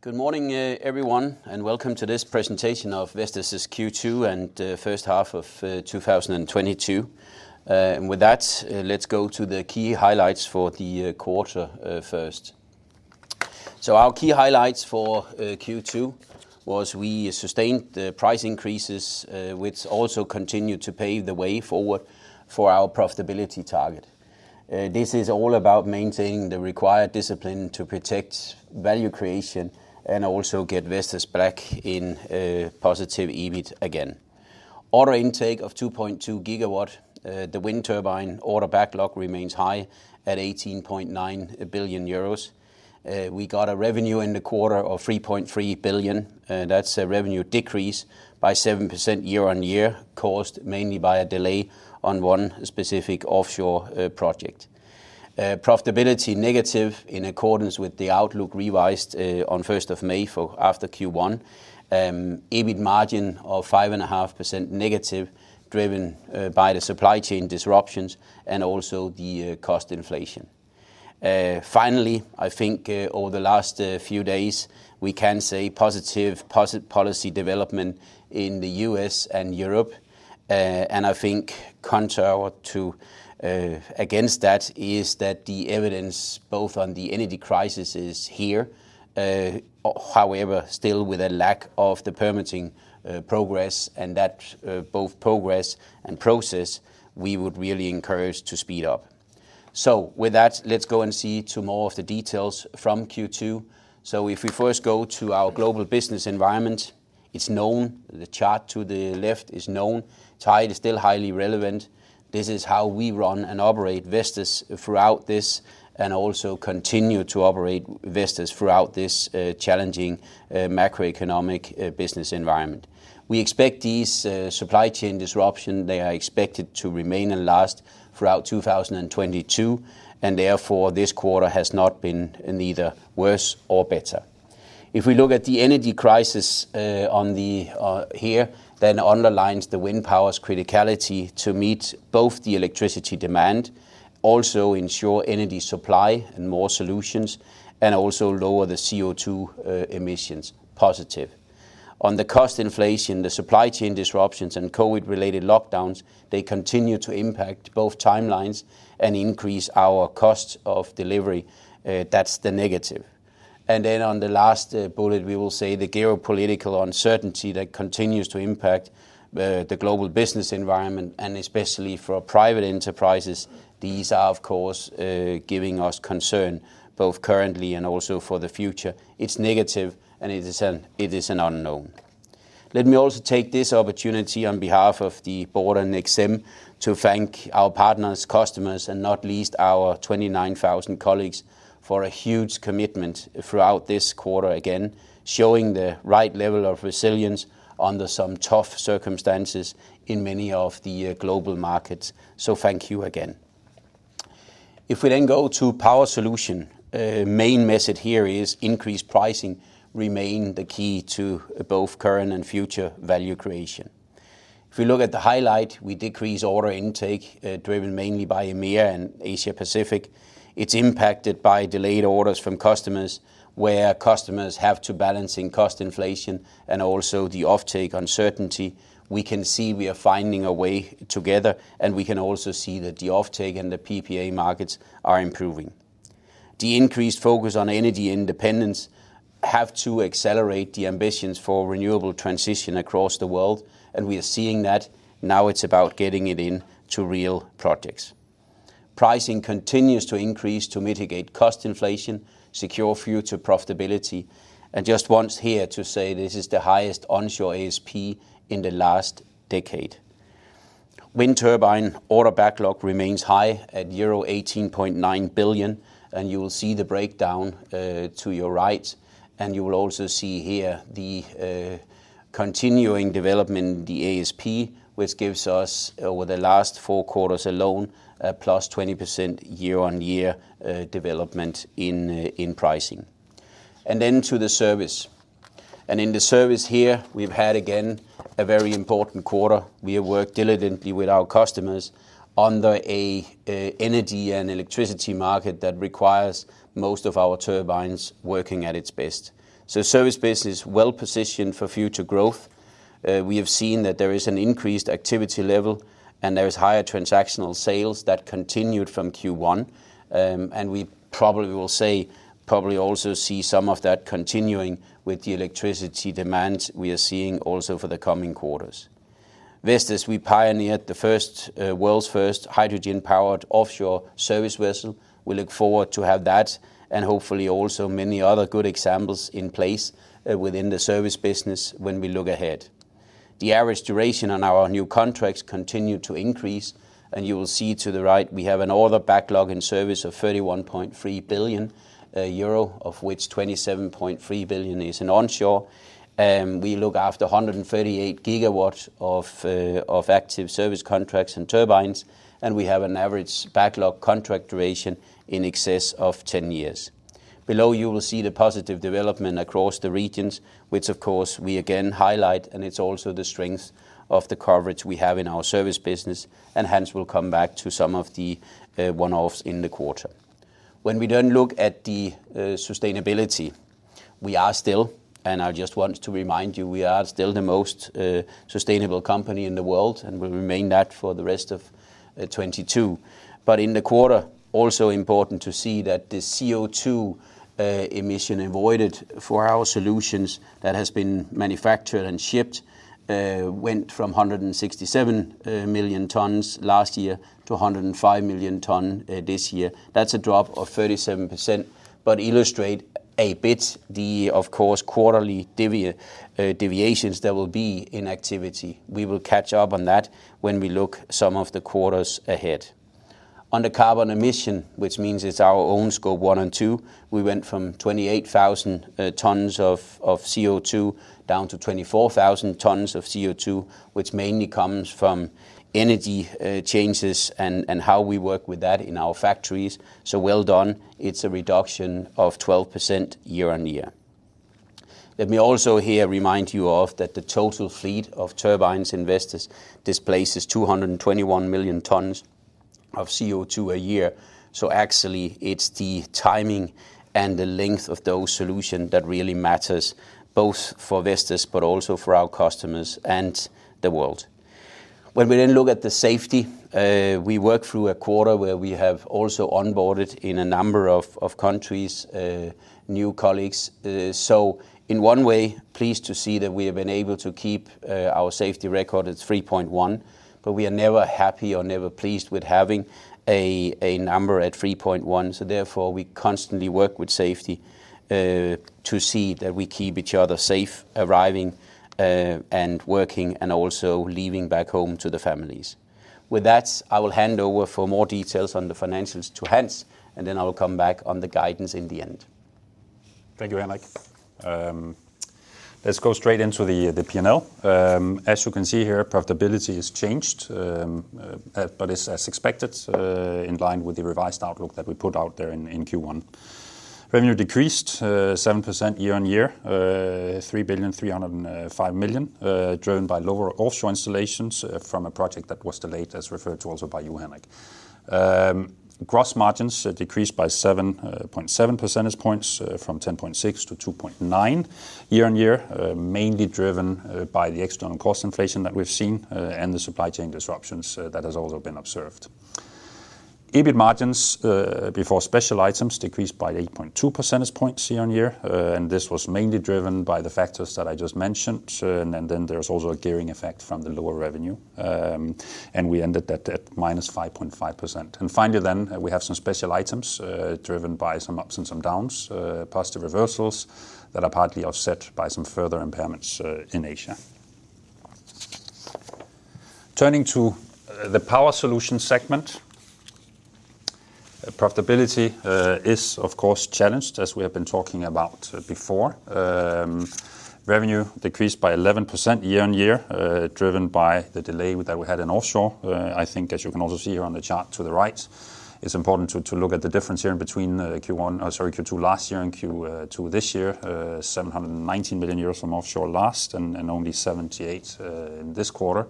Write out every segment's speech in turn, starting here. Good morning, everyone, and welcome to this presentation of Vestas' Q2 and First Half of 2022. With that, let's go to the key highlights for the quarter first. Our key highlights for Q2 was we sustained the price increases, which also continued to pave the way forward for our profitability target. This is all about maintaining the required discipline to protect value creation and also get Vestas back in a positive EBIT again. Order intake of 2.2 GW. The wind turbine order backlog remains high at 18.9 billion euros. We got revenue in the quarter of 3.3 billion. That's a revenue decrease by 7% year-on-year, caused mainly by a delay on one specific offshore project. Profitability negative in accordance with the outlook revised on first of May for after Q1. EBIT margin of -5.5%, driven by the supply chain disruptions and also the cost inflation. Finally, I think over the last few days, we can say positive policy development in the U.S. and Europe. I think counter to against that is that the evidence both on the energy crisis is here, however, still with a lack of the permitting progress and that both progress and process we would really encourage to speed up. With that, let's go and see to more of the details from Q2. If we first go to our global business environment, it's known, the chart to the left is known. TIDE is still highly relevant. This is how we run and operate Vestas throughout this and also continue to operate Vestas throughout this challenging macroeconomic business environment. We expect this supply chain disruption, they are expected to remain and last throughout 2022, and therefore, this quarter has not been neither worse or better. If we look at the energy crisis, that underlines the wind power's criticality to meet both the electricity demand, also ensure energy supply and more solutions, and also lower the CO₂ emissions positive. On the cost inflation, the supply chain disruptions and COVID-related lockdowns, they continue to impact both timelines and increase our costs of delivery. That's the negative. Then on the last bullet, we will say the geopolitical uncertainty that continues to impact the global business environment, and especially for private enterprises, these are of course giving us concern both currently and also for the future. It's negative, and it is an unknown. Let me also take this opportunity on behalf of the board and exec to thank our partners, customers, and not least our 29,000 colleagues for a huge commitment throughout this quarter, again, showing the right level of resilience under some tough circumstances in many of the global markets. Thank you again. If we go to Power Solutions, main message here is increased pricing remains the key to both current and future value creation. If we look at the highlight, we decreased order intake, driven mainly by EMEA and Asia Pacific. It's impacted by delayed orders from customers, where customers have to balance cost inflation and also the offtake uncertainty. We can see we are finding a way together, and we can also see that the offtake and the PPA markets are improving. The increased focus on energy independence has to accelerate the ambitions for renewable transition across the world, and we are seeing that. Now it's about getting it into real projects. Pricing continues to increase to mitigate cost inflation, secure future profitability, and just want to say this is the highest onshore ASP in the last decade. Wind turbine order backlog remains high at euro 18.9 billion, and you will see the breakdown to your right, and you will also see here the continuing development, the ASP, which gives us, over the last four quarters alone, a +20% year-on-year development in pricing. Then to the service. In the service here, we've had again a very important quarter. We have worked diligently with our customers under an energy and electricity market that requires most of our turbines working at its best. Service business well-positioned for future growth. We have seen that there is an increased activity level, and there is higher transactional sales that continued from Q1, and we probably will also see some of that continuing with the electricity demands we are seeing also for the coming quarters. Vestas, we pioneered the first world's first hydrogen-powered offshore service vessel. We look forward to have that, and hopefully also many other good examples in place within the service business when we look ahead. The average duration on our new contracts continue to increase, and you will see to the right, we have an order backlog in service of 31.3 billion euro, of which 27.3 billion is in onshore. We look after 138 GW of active service contracts and turbines, and we have an average backlog contract duration in excess of 10 years. Below you will see the positive development across the regions which of course we again highlight, and it's also the strength of the coverage we have in our service business, and hence we'll come back to some of the one-offs in the quarter. When we then look at the sustainability, I just want to remind you, we are still the most sustainable company in the world and will remain that for the rest of 2022. In the quarter, also important to see that the CO₂ emission avoided for our solutions that has been manufactured and shipped went from 167 million tons last year to 105 million ton this year. That's a drop of 37%, but illustrate a bit the, of course, quarterly deviations that will be in activity. We will catch up on that when we look some of the quarters ahead. On the carbon emission, which means it's our own Scope One and Two, we went from 28,000 tons of CO₂ down to 24,000 tons of CO₂, which mainly comes from energy changes and how we work with that in our factories. Well, done. It's a reduction of 12% year-on-year. Let me also here remind you of that the total fleet of turbines in Vestas displaces 221 million tons of CO₂ a year. Actually, it's the timing and the length of those solution that really matters, both for Vestas but also for our customers and the world. When we then look at the safety, we work through a quarter where we have also onboarded in a number of countries new colleagues. In one way, pleased to see that we have been able to keep our safety record at 3.1, but we are never happy or never pleased with having a number at 3.1, so therefore, we constantly work with safety to see that we keep each other safe arriving and working and also leaving back home to the families. With that, I will hand over for more details on the financials to Hans, and then I will come back on the guidance in the end. Thank you, Henrik. Let's go straight into the P&L. As you can see here, profitability has changed, but it's as expected, in line with the revised outlook that we put out there in Q1. Revenue decreased 7% year-on-year, 3.305 billion, driven by lower offshore installations from a project that was delayed, as referred to also by you, Henrik. Gross margins decreased by 7.7 percentage points from 10.6%-2.9% year-on-year, mainly driven by the external cost inflation that we've seen, and the supply chain disruptions that has also been observed. EBIT margins before special items decreased by 8.2 percentage points year-on-year, and this was mainly driven by the factors that I just mentioned, and then there was also a gearing effect from the lower revenue, and we ended that at -5.5%. Finally, then, we have some special items driven by some ups and some downs, positive reversals that are partly offset by some further impairments in Asia. Turning to the Power Solutions segment. Profitability is of course challenged, as we have been talking about before. Revenue decreased by 11% year-on-year, driven by the delay that we had in offshore. I think as you can also see here on the chart to the right, it's important to look at the difference here between Q2 last year and Q2 this year. 719 million euros from offshore last year and only 78 million in this quarter.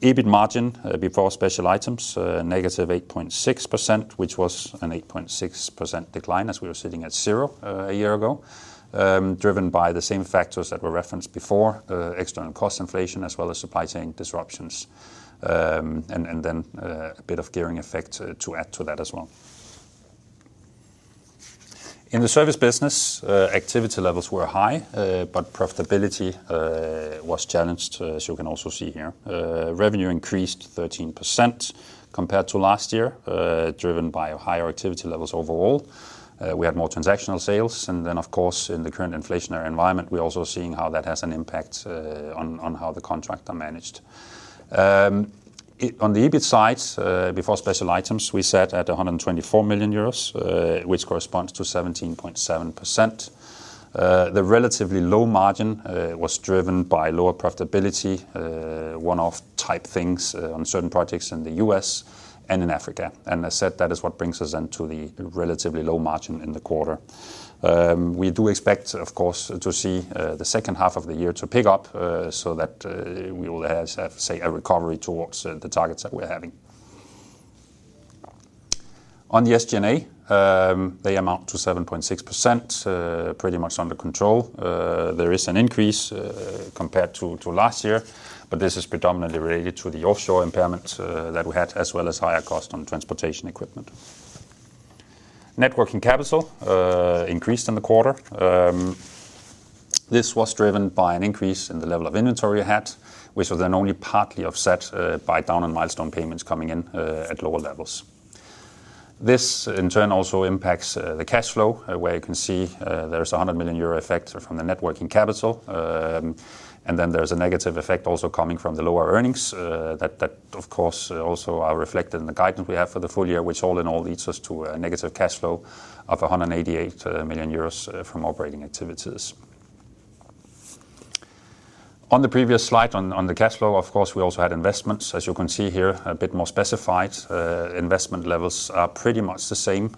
EBIT margin before special items negative 8.6%, which was an 8.6% decline as we were sitting at 0% a year ago, driven by the same factors that were referenced before, external cost inflation as well as supply chain disruptions, and then a bit of gearing effect to add to that as well. In the service business, activity levels were high, but profitability was challenged, as you can also see here. Revenue increased 13% compared to last year, driven by higher activity levels overall. We had more transactional sales, and then of course, in the current inflationary environment, we're also seeing how that has an impact on how the contracts are managed. On the EBIT side, before special items, we sat at 124 million euros, which corresponds to 17.7%. The relatively low margin was driven by lower profitability, one-off type things on certain projects in the U.S. and in Africa. As said, that is what brings us into the relatively low margin in the quarter. We do expect, of course, to see the second half of the year to pick up, so that we will have, say, a recovery towards the targets that we're having. On the SG&A, they amount to 7.6%, pretty much under control. There is an increase compared to last year, but this is predominantly related to the offshore impairment that we had, as well as higher cost on transportation equipment. Net working capital increased in the quarter. This was driven by an increase in the level of inventory we had, which was then only partly offset by down in milestone payments coming in at lower levels. This in turn also impacts the cash flow, where you can see, there's 100 million euro effect from the net working capital. There's a negative effect also coming from the lower earnings, that of course also are reflected in the guidance we have for the full year, which all in all leads us to a negative cash flow of 188 million euros from operating activities. On the previous slide on the cash flow, of course, we also had investments. As you can see here, a bit more specified, investment levels are pretty much the same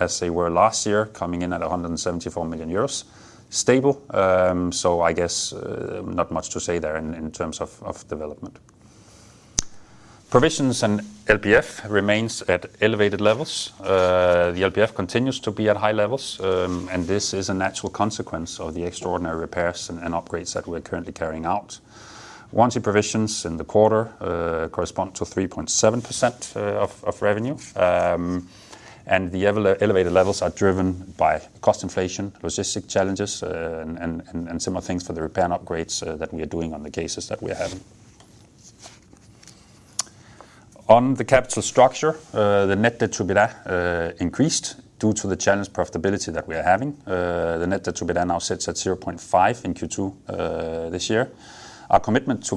as they were last year, coming in at 174 million euros. Stable, so I guess, not much to say there in terms of development. Provisions and LPF remains at elevated levels. The LPF continues to be at high levels, and this is a natural consequence of the extraordinary repairs and upgrades that we're currently carrying out. Warranty provisions in the quarter correspond to 3.7% of revenue. The elevated levels are driven by cost inflation, logistic challenges, and similar things for the repair and upgrades that we are doing on the cases that we have. On the capital structure, the net debt to EBITDA increased due to the challenged profitability that we are having. The net debt to EBITDA now sits at 0.5 in Q2 this year. Our commitment to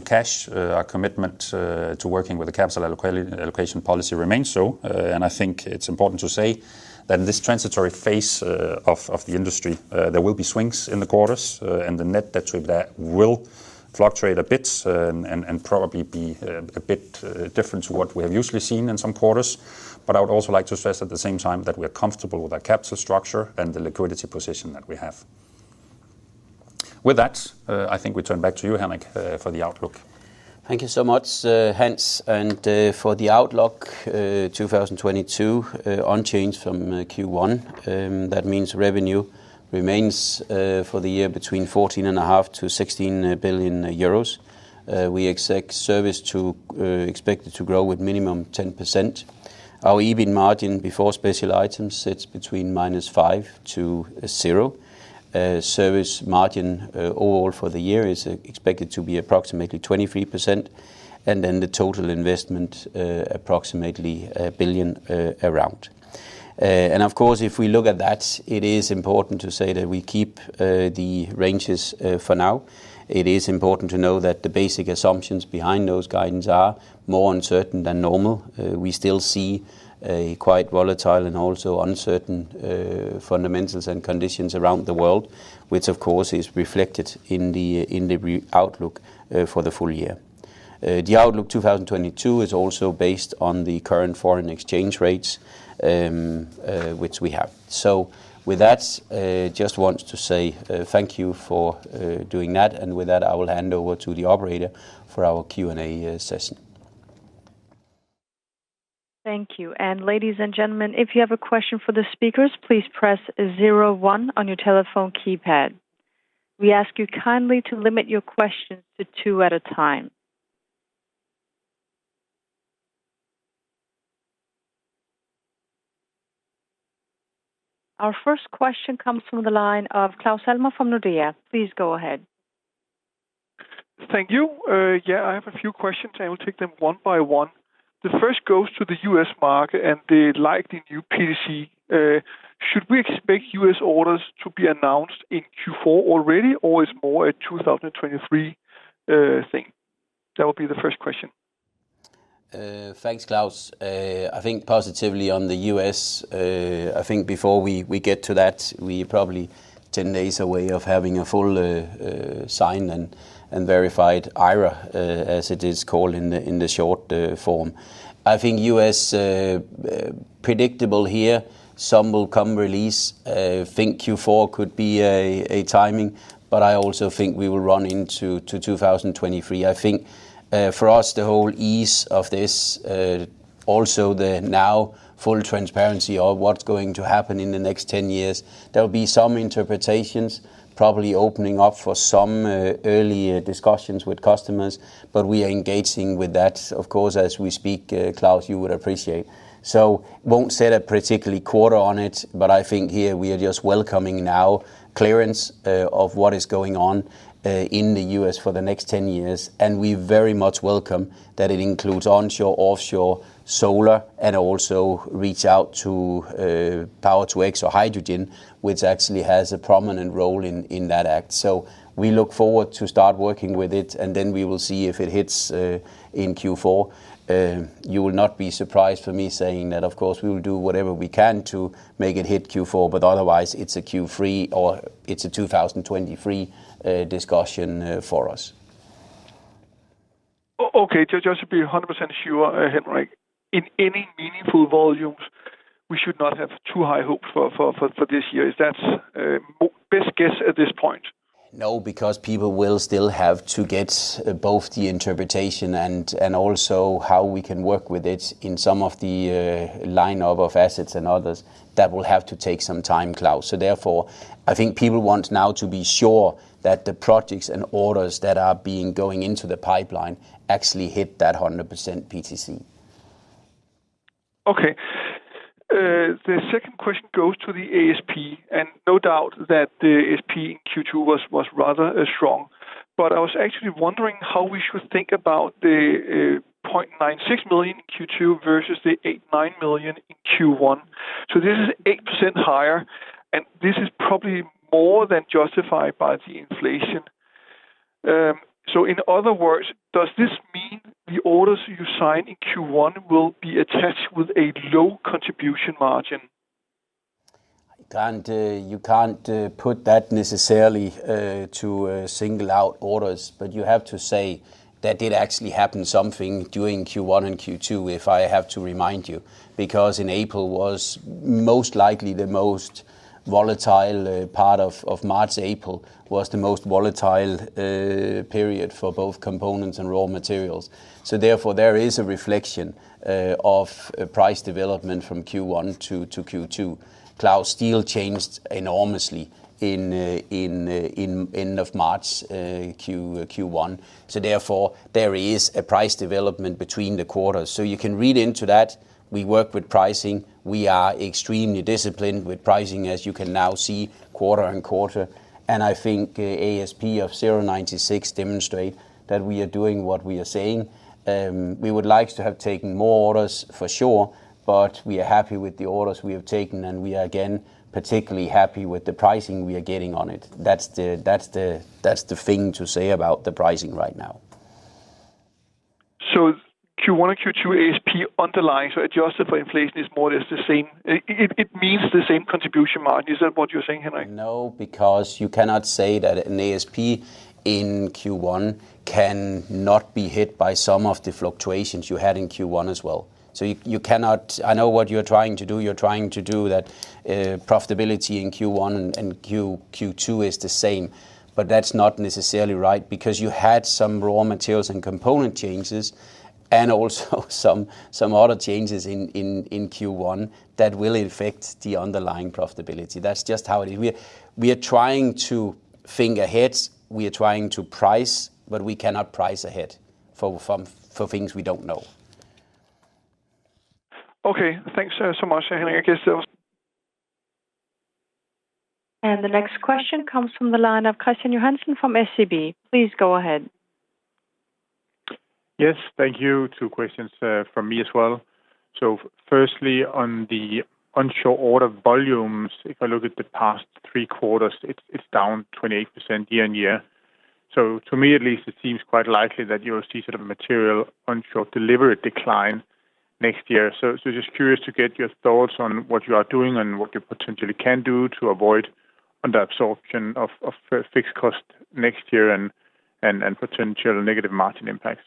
working with the capital allocation policy remains so, and I think it's important to say that in this transitory phase of the industry, there will be swings in the quarters, and the net debt to EBITDA will fluctuate a bit, and probably be a bit different to what we have usually seen in some quarters. I would also like to stress at the same time that we're comfortable with our capital structure and the liquidity position that we have. With that, I think we turn back to you, Henrik, for the outlook. Thank you so much, Hans. For the outlook 2022, unchanged from Q1, that means revenue remains for the year between 14.5 billion-16 billion euros. We expect service to grow with minimum 10%. Our EBIT margin before special items sits between -5% to 0%. Service margin overall for the year is expected to be approximately 23%. Then the total investment approximately 1 billion around. Of course, if we look at that, it is important to say that we keep the ranges for now. It is important to know that the basic assumptions behind those guidance are more uncertain than normal. We still see a quite volatile and also uncertain fundamentals and conditions around the world, which of course is reflected in the outlook for the full year. The outlook 2022 is also based on the current foreign exchange rates, which we have. With that, just want to say thank you for doing that. With that, I will hand over to the operator for our Q&A session. Thank you. Ladies and gentlemen, if you have a question for the speakers, please press zero one on your telephone keypad. We ask you kindly to limit your questions to two at a time. Our first question comes from the line of Claus Almer from Nordea. Please go ahead. Thank you. Yeah, I have a few questions. I will take them one by one. The first goes to the U.S. market and the likely new PTC. Should we expect U.S. orders to be announced in Q4 already, or it's more a 2023 thing? That would be the first question. Thanks, Claus. I think positive on the U.S. I think before we get to that, we are probably 10 days away from having a full signed and verified IRA, as it is called in the short form. I think the U.S. is predictable here. Some will come release. I think Q4 could be a timing, but I also think we will run into 2023. I think for us, the whole ease of this also the now full transparency of what's going to happen in the next 10 years. There'll be some interpretations, probably opening up for some early discussions with customers. We are engaging with that, of course, as we speak, Claus. You would appreciate. We won't set a particular quarter on it, but I think here we are just welcoming the clearance of what is going on in the U.S. for the next 10 years. We very much welcome that it includes onshore, offshore, solar, and also reaching out to Power-to-X or hydrogen, which actually has a prominent role in that act. We look forward to start working with it, and then we will see if it hits in Q4. You will not be surprised for me saying that, of course, we will do whatever we can to make it hit Q4, but otherwise it's a Q3 or it's a 2023 discussion for us. Okay. Just to be 100% sure, Henrik. In any meaningful volumes, we should not have too high hope for this year. Is that best guess at this point? No, because people will still have to get both the interpretation and also how we can work with it in some of the lineup of assets and others that will have to take some time, Claus. Therefore, I think people want now to be sure that the projects and orders that are going into the pipeline actually hit that 100% PTC. Okay. The second question goes to the ASP, and no doubt that the ASP in Q2 was rather strong. I was actually wondering how we should think about the 0.96 million in Q2 versus the 8.9 million in Q1. This is 8% higher, and this is probably more than justified by the inflation. In other words, does this mean the orders you sign in Q1 will be attached with a low contribution margin? You can't put that necessarily to single out orders, but you have to say that did actually happen something during Q1 and Q2, if I have to remind you, because in April was most likely the most volatile part of March. April was the most volatile period for both components and raw materials. There is a reflection of price development from Q1-Q2. Low-emission steel changed enormously in end of March, Q1. There is a price development between the quarters. You can read into that. We work with pricing. We are extremely disciplined with pricing, as you can now see quarter and quarter. I think ASP of 0.96 demonstrate that we are doing what we are saying. We would like to have taken more orders for sure, but we are happy with the orders we have taken, and we are, again, particularly happy with the pricing we are getting on it. That's the thing to say about the pricing right now. Q1 and Q2 ASP underlying, so adjusted for inflation is more or less the same. It means the same contribution margin. Is that what you're saying, Henrik? No, because you cannot say that an ASP in Q1 cannot be hit by some of the fluctuations you had in Q1 as well. You cannot. I know what you're trying to do. You're trying to do that profitability in Q1 and Q2 is the same, but that's not necessarily right because you had some raw materials and component changes and also some other changes in Q1 that will affect the underlying profitability. That's just how it is. We are trying to think ahead. We are trying to price, but we cannot price ahead for things we don't know. Okay. Thanks, so much, Henrik. I guess that was. The next question comes from the line of Kristian Johansen from SEB. Please go ahead. Yes. Thank you. Two questions from me as well. Firstly, on the onshore order volumes, if I look at the past three quarters, it's down 28% year-on-year. To me at least, it seems quite likely that you'll see sort of material onshore delivery decline next year. Just curious to get your thoughts on what you are doing and what you potentially can do to avoid under absorption of fixed cost next year and potential negative margin impacts.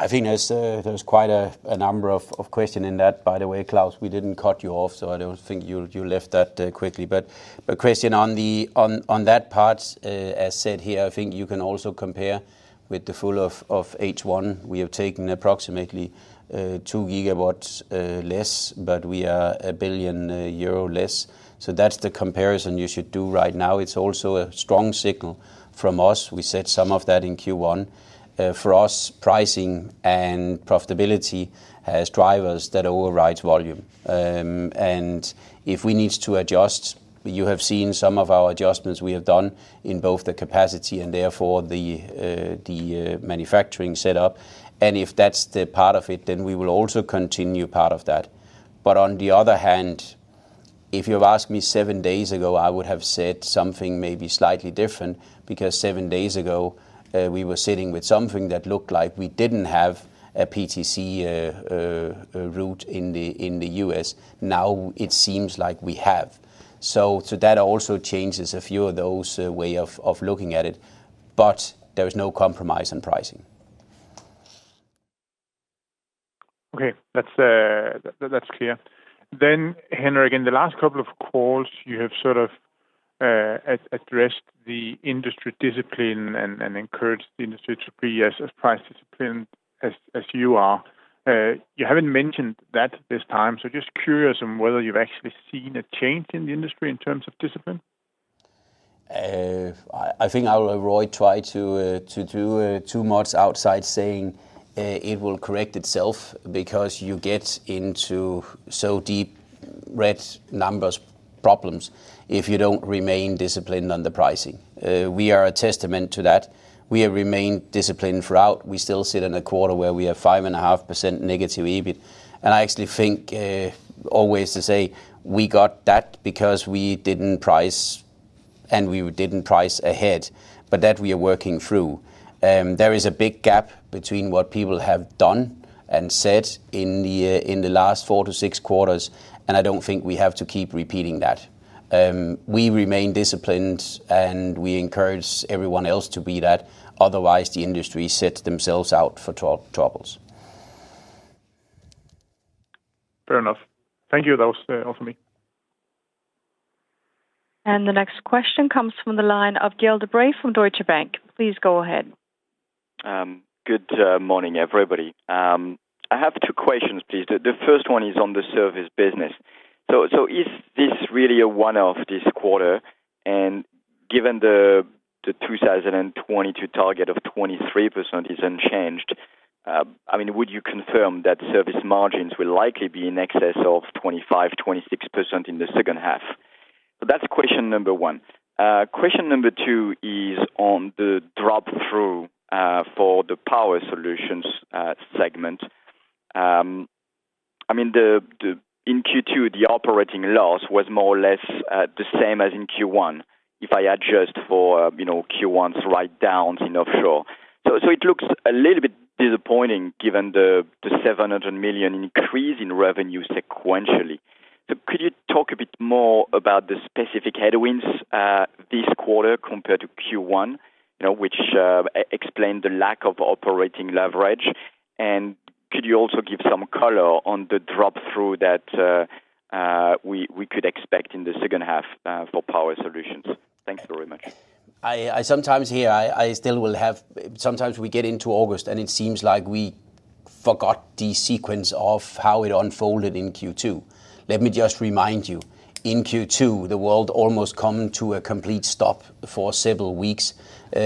I think there's quite a number of questions in that. By the way, Claus, we didn't cut you off, so I don't think you left that quickly. Kristian, on that part, as said here, I think you can also compare with the full of H1. We have taken approximately 2 GW less, but we are 1 billion euro less. That's the comparison you should do right now. It's also a strong signal from us. We said some of that in Q1. For us, pricing and profitability has drivers that overrides volume. And if we need to adjust, you have seen some of our adjustments we have done in both the capacity and therefore the manufacturing set up. If that's the part of it, then we will also continue part of that. On the other hand, if you've asked me seven days ago, I would have said something maybe slightly different because seven days ago, we were sitting with something that looked like we didn't have a PTC route in the U.S. Now it seems like we have. That also changes a few of those ways of looking at it. There is no compromise in pricing. Okay. That's clear. Henrik, in the last couple of calls, you have sort of addressed the industry discipline and encouraged the industry to be as price disciplined as you are. You haven't mentioned that this time, so just curious on whether you've actually seen a change in the industry in terms of discipline. I think I will avoid try to do too much outside saying it will correct itself because you get into so deep red numbers problems if you don't remain disciplined on the pricing. We are a testament to that. We have remained disciplined throughout. We still sit in a quarter where we have 5.5%- EBIT. I actually think always to say we got that because we didn't price, and we didn't price ahead, but that we are working through. There is a big gap between what people have done and said in the last four-six quarters, and I don't think we have to keep repeating that. We remain disciplined, and we encourage everyone else to be that, otherwise the industry sets itself up for trouble. Fair enough. Thank you. That was all for me. The next question comes from the line of Gael de Bray from Deutsche Bank. Please go ahead. Good morning, everybody. I have two questions, please. The first one is on the service business. Is this really a one-off this quarter? Given the 2022 target of 23% is unchanged, I mean, would you confirm that service margins will likely be in excess of 25%-26% in the second half? That's question number one. Question number two is on the drop-through for the Power Solutions segment. I mean, in Q2, the operating loss was more or less the same as in Q1. If I adjust for, you know, Q1's write-downs in offshore It looks a little bit disappointing given the 700 million increase in revenue sequentially. Could you talk a bit more about the specific headwinds this quarter compared to Q1 which explain the lack of operating leverage? Could you also give some color on the drop-through that we could expect in the second half for Power Solutions? Thanks very much. I sometimes hear I still will have. Sometimes we get into August, and it seems like we forgot the sequence of how it unfolded in Q2. Let me just remind you. In Q2, the world almost come to a complete stop for several weeks,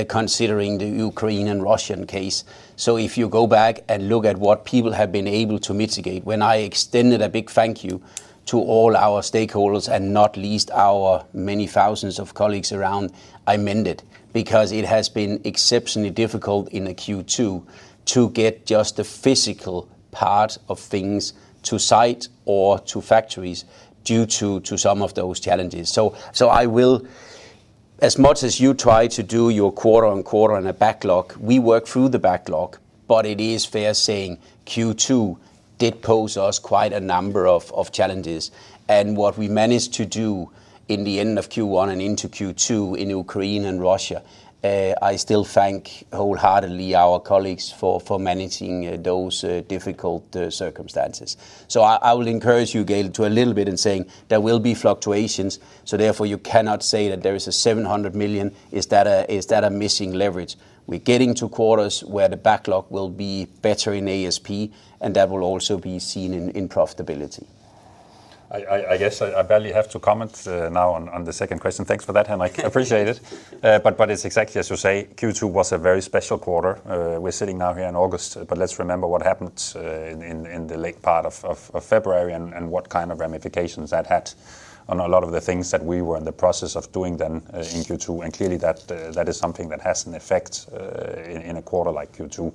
considering the Ukraine and Russian case. If you go back and look at what people have been able to mitigate, when I extended a big thank you to all our stakeholders and not least our many thousands of colleagues around, I meant it because it has been exceptionally difficult in the Q2 to get just the physical part of things to site or to factories due to some of those challenges. I will. As much as you try to do your quarter-on-quarter on a backlog, we work through the backlog, but it is fair to say Q2 did pose us quite a number of challenges. What we managed to do in the end of Q1 and into Q2 in Ukraine and Russia, I still thank wholeheartedly our colleagues for managing those difficult circumstances. I will encourage you, Gael de Bray, to a little bit in saying there will be fluctuations, so therefore you cannot say that there is 700 million, is that a missing leverage? We're getting two quarters where the backlog will be better in ASP, and that will also be seen in profitability. I guess I barely have to comment now on the second question. Thanks for that, Henrik. I appreciate it. It's exactly as you say, Q2 was a very special quarter. We're sitting now here in August, but let's remember what happened in the late part of February and what kind of ramifications that had on a lot of the things that we were in the process of doing then in Q2. Clearly, that is something that has an effect in a quarter like Q2.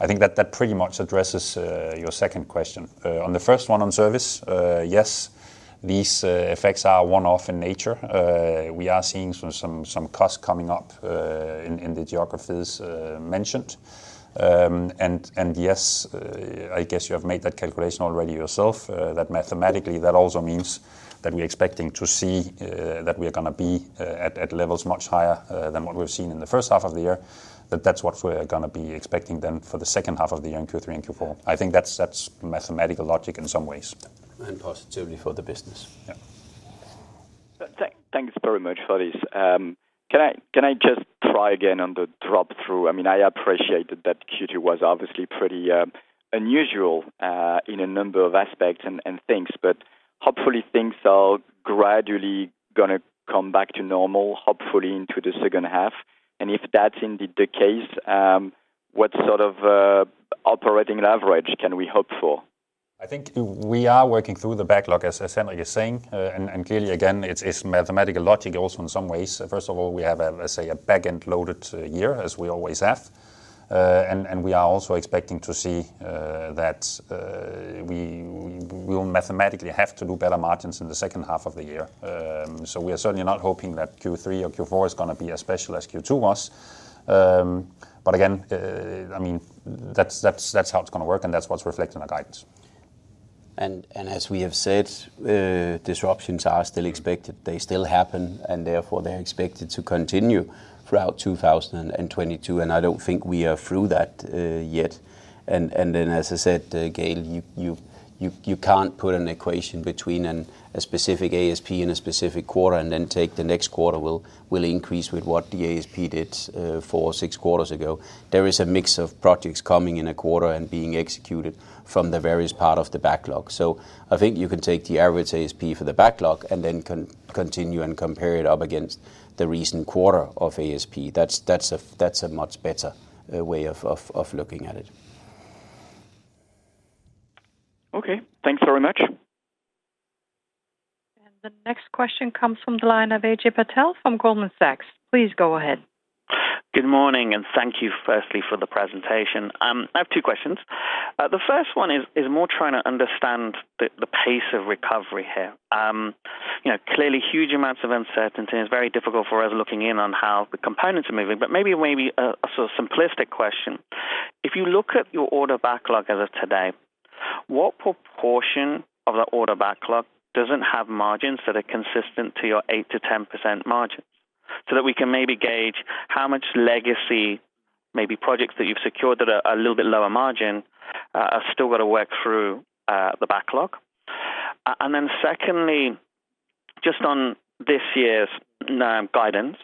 I think that pretty much addresses your second question. On the first one on service, yes, these effects are one-off in nature. We are seeing some costs coming up in the geographies mentioned. Yes, I guess you have made that calculation already yourself, that mathematically, that also means that we're expecting to see that we are gonna be at levels much higher than what we've seen in the first half of the year, that that's what we're gonna be expecting then for the second half of the year in Q3 and Q4. I think that's mathematical logic in some ways. Positivity for the business. Yeah. Thanks very much for this. Can I just try again on the drop-through? I mean, I appreciate that Q2 was obviously pretty unusual in a number of aspects and things, but hopefully things are gradually gonna come back to normal, hopefully into the second half. If that's indeed the case, what sort of operating leverage can we hope for? I think we are working through the backlog, as Henrik is saying. Clearly, again, it's mathematical logic also in some ways. First of all, we have a, let's say, a back-end loaded year, as we always have. We are also expecting to see that we will mathematically have to do better margins in the second half of the year. We are certainly not hoping that Q3 or Q4 is gonna be as special as Q2 was. Again, I mean, that's how it's gonna work, and that's what's reflected in our guidance. As we have said, disruptions are still expected. They still happen, and therefore, they're expected to continue throughout 2022. I don't think we are through that yet. Then as I said, Gael, you can't put an equation between a specific ASP and a specific quarter and then take the next quarter will increase with what the ASP did four-six quarters ago. There is a mix of projects coming in a quarter and being executed from the various part of the backlog. I think you can take the average ASP for the backlog and then continue and compare it against the recent quarter of ASP. That's a much better way of looking at it. Okay. Thanks very much. The next question comes from the line of Ajay Patel from Goldman Sachs. Please go ahead. Good morning, and thank you firstly for the presentation. I have two questions. The first one is more trying to understand the pace of recovery here. You know, clearly huge amounts of uncertainty, and it's very difficult for us looking in on how the components are moving, but maybe a sort of simplistic question. If you look at your order backlog as of today, what proportion of that order backlog doesn't have margins that are consistent to your 8%-10% margins? So that we can maybe gauge how much legacy, maybe projects that you've secured that are a little bit lower margin, have still got to work through the backlog. Secondly, just on this year's guidance,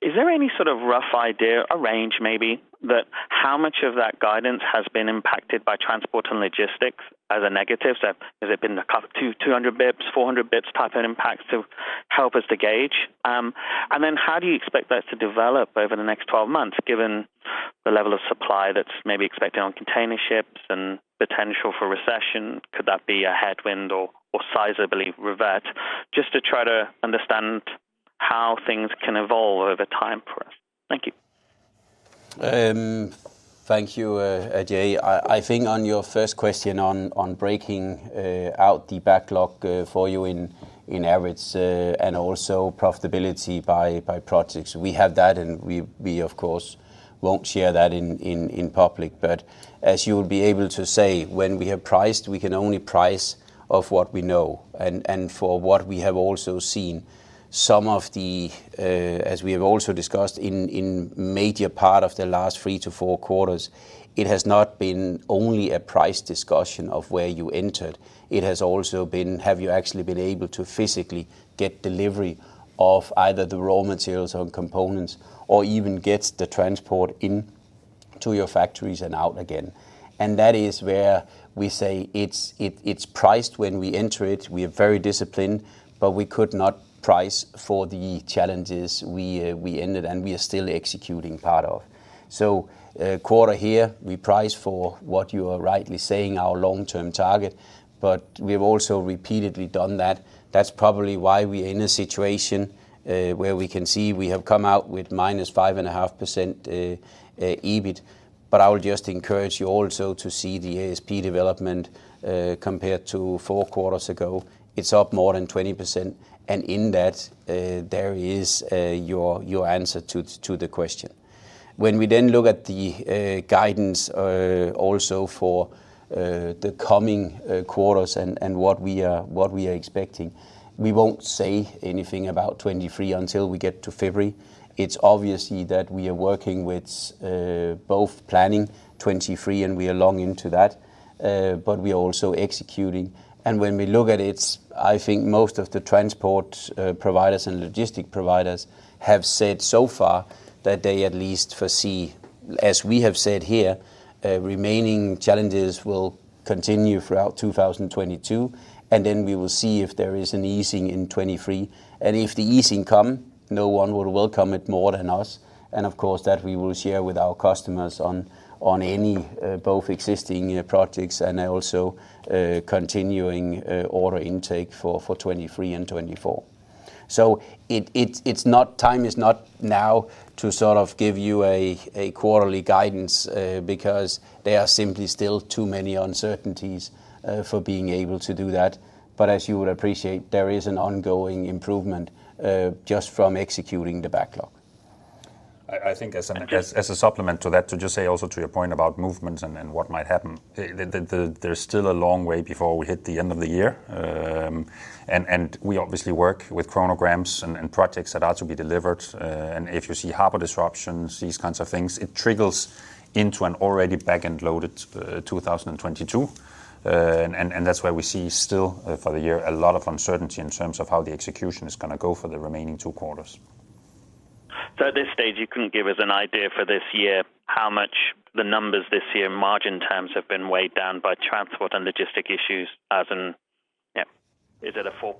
is there any sort of rough idea, a range maybe, that how much of that guidance has been impacted by transport and logistics as a negative? Has it been the 200 basis points, 400 basis points type of impacts to help us to gauge? How do you expect that to develop over the next twelve months, given the level of supply that's maybe expected on container ships and potential for recession? Could that be a headwind or substantially revert? Just to try to understand how things can evolve over time for us. Thank you. Thank you, Ajay. I think on your first question on breaking out the backlog for you on average and also profitability by projects, we have that, and we of course won't share that in public. As you will be able to see, when we have priced, we can only price off of what we know and for what we have also seen. As we have also discussed in major part of the last three to four quarters, it has not been only a price discussion of where you entered. It has also been, have you actually been able to physically get delivery of either the raw materials or components, or even get the transport into your factories and out again. That is where we say it's priced when we enter it, we are very disciplined, but we could not price for the challenges we ended, and we are still executing part of. Quarter here, we price for what you are rightly saying, our long-term target, but we have also repeatedly done that. That's probably why we are in a situation where we can see we have come out with -5.5% EBIT. I would just encourage you also to see the ASP development compared to four quarters ago. It's up more than 20%, and in that there is your answer to the question. When we then look at the guidance also for the coming quarters and what we are expecting, we won't say anything about 2023 until we get to February. It's obvious that we are working with both planning 2023, and we are long into that, but we are also executing. When we look at it, I think most of the transport providers and logistics providers have said so far that they at least foresee, as we have said here, remaining challenges will continue throughout 2022, and then we will see if there is an easing in 2023. If the easing come, no one will welcome it more than us. Of course, that we will share with our customers on any both existing projects and also continuing order intake for 2023 and 2024. It's not time now to sort of give you a quarterly guidance because there are simply still too many uncertainties for being able to do that. As you would appreciate, there is an ongoing improvement just from executing the backlog. I think as a supplement to that, to just say also to your point about movements and what might happen. There's still a long way before we hit the end of the year. We obviously work with harmonogram and projects that are to be delivered. If you see harbor disruptions, these kinds of things, it trickles into an already back-end loaded 2022. That's why we see still for the year a lot of uncertainty in terms of how the execution is gonna go for the remaining two quarters. At this stage, you couldn't give us an idea for this year how much the numbers this year in margin terms have been weighed down by transport and logistics issues, as in, yeah. Is it a 4%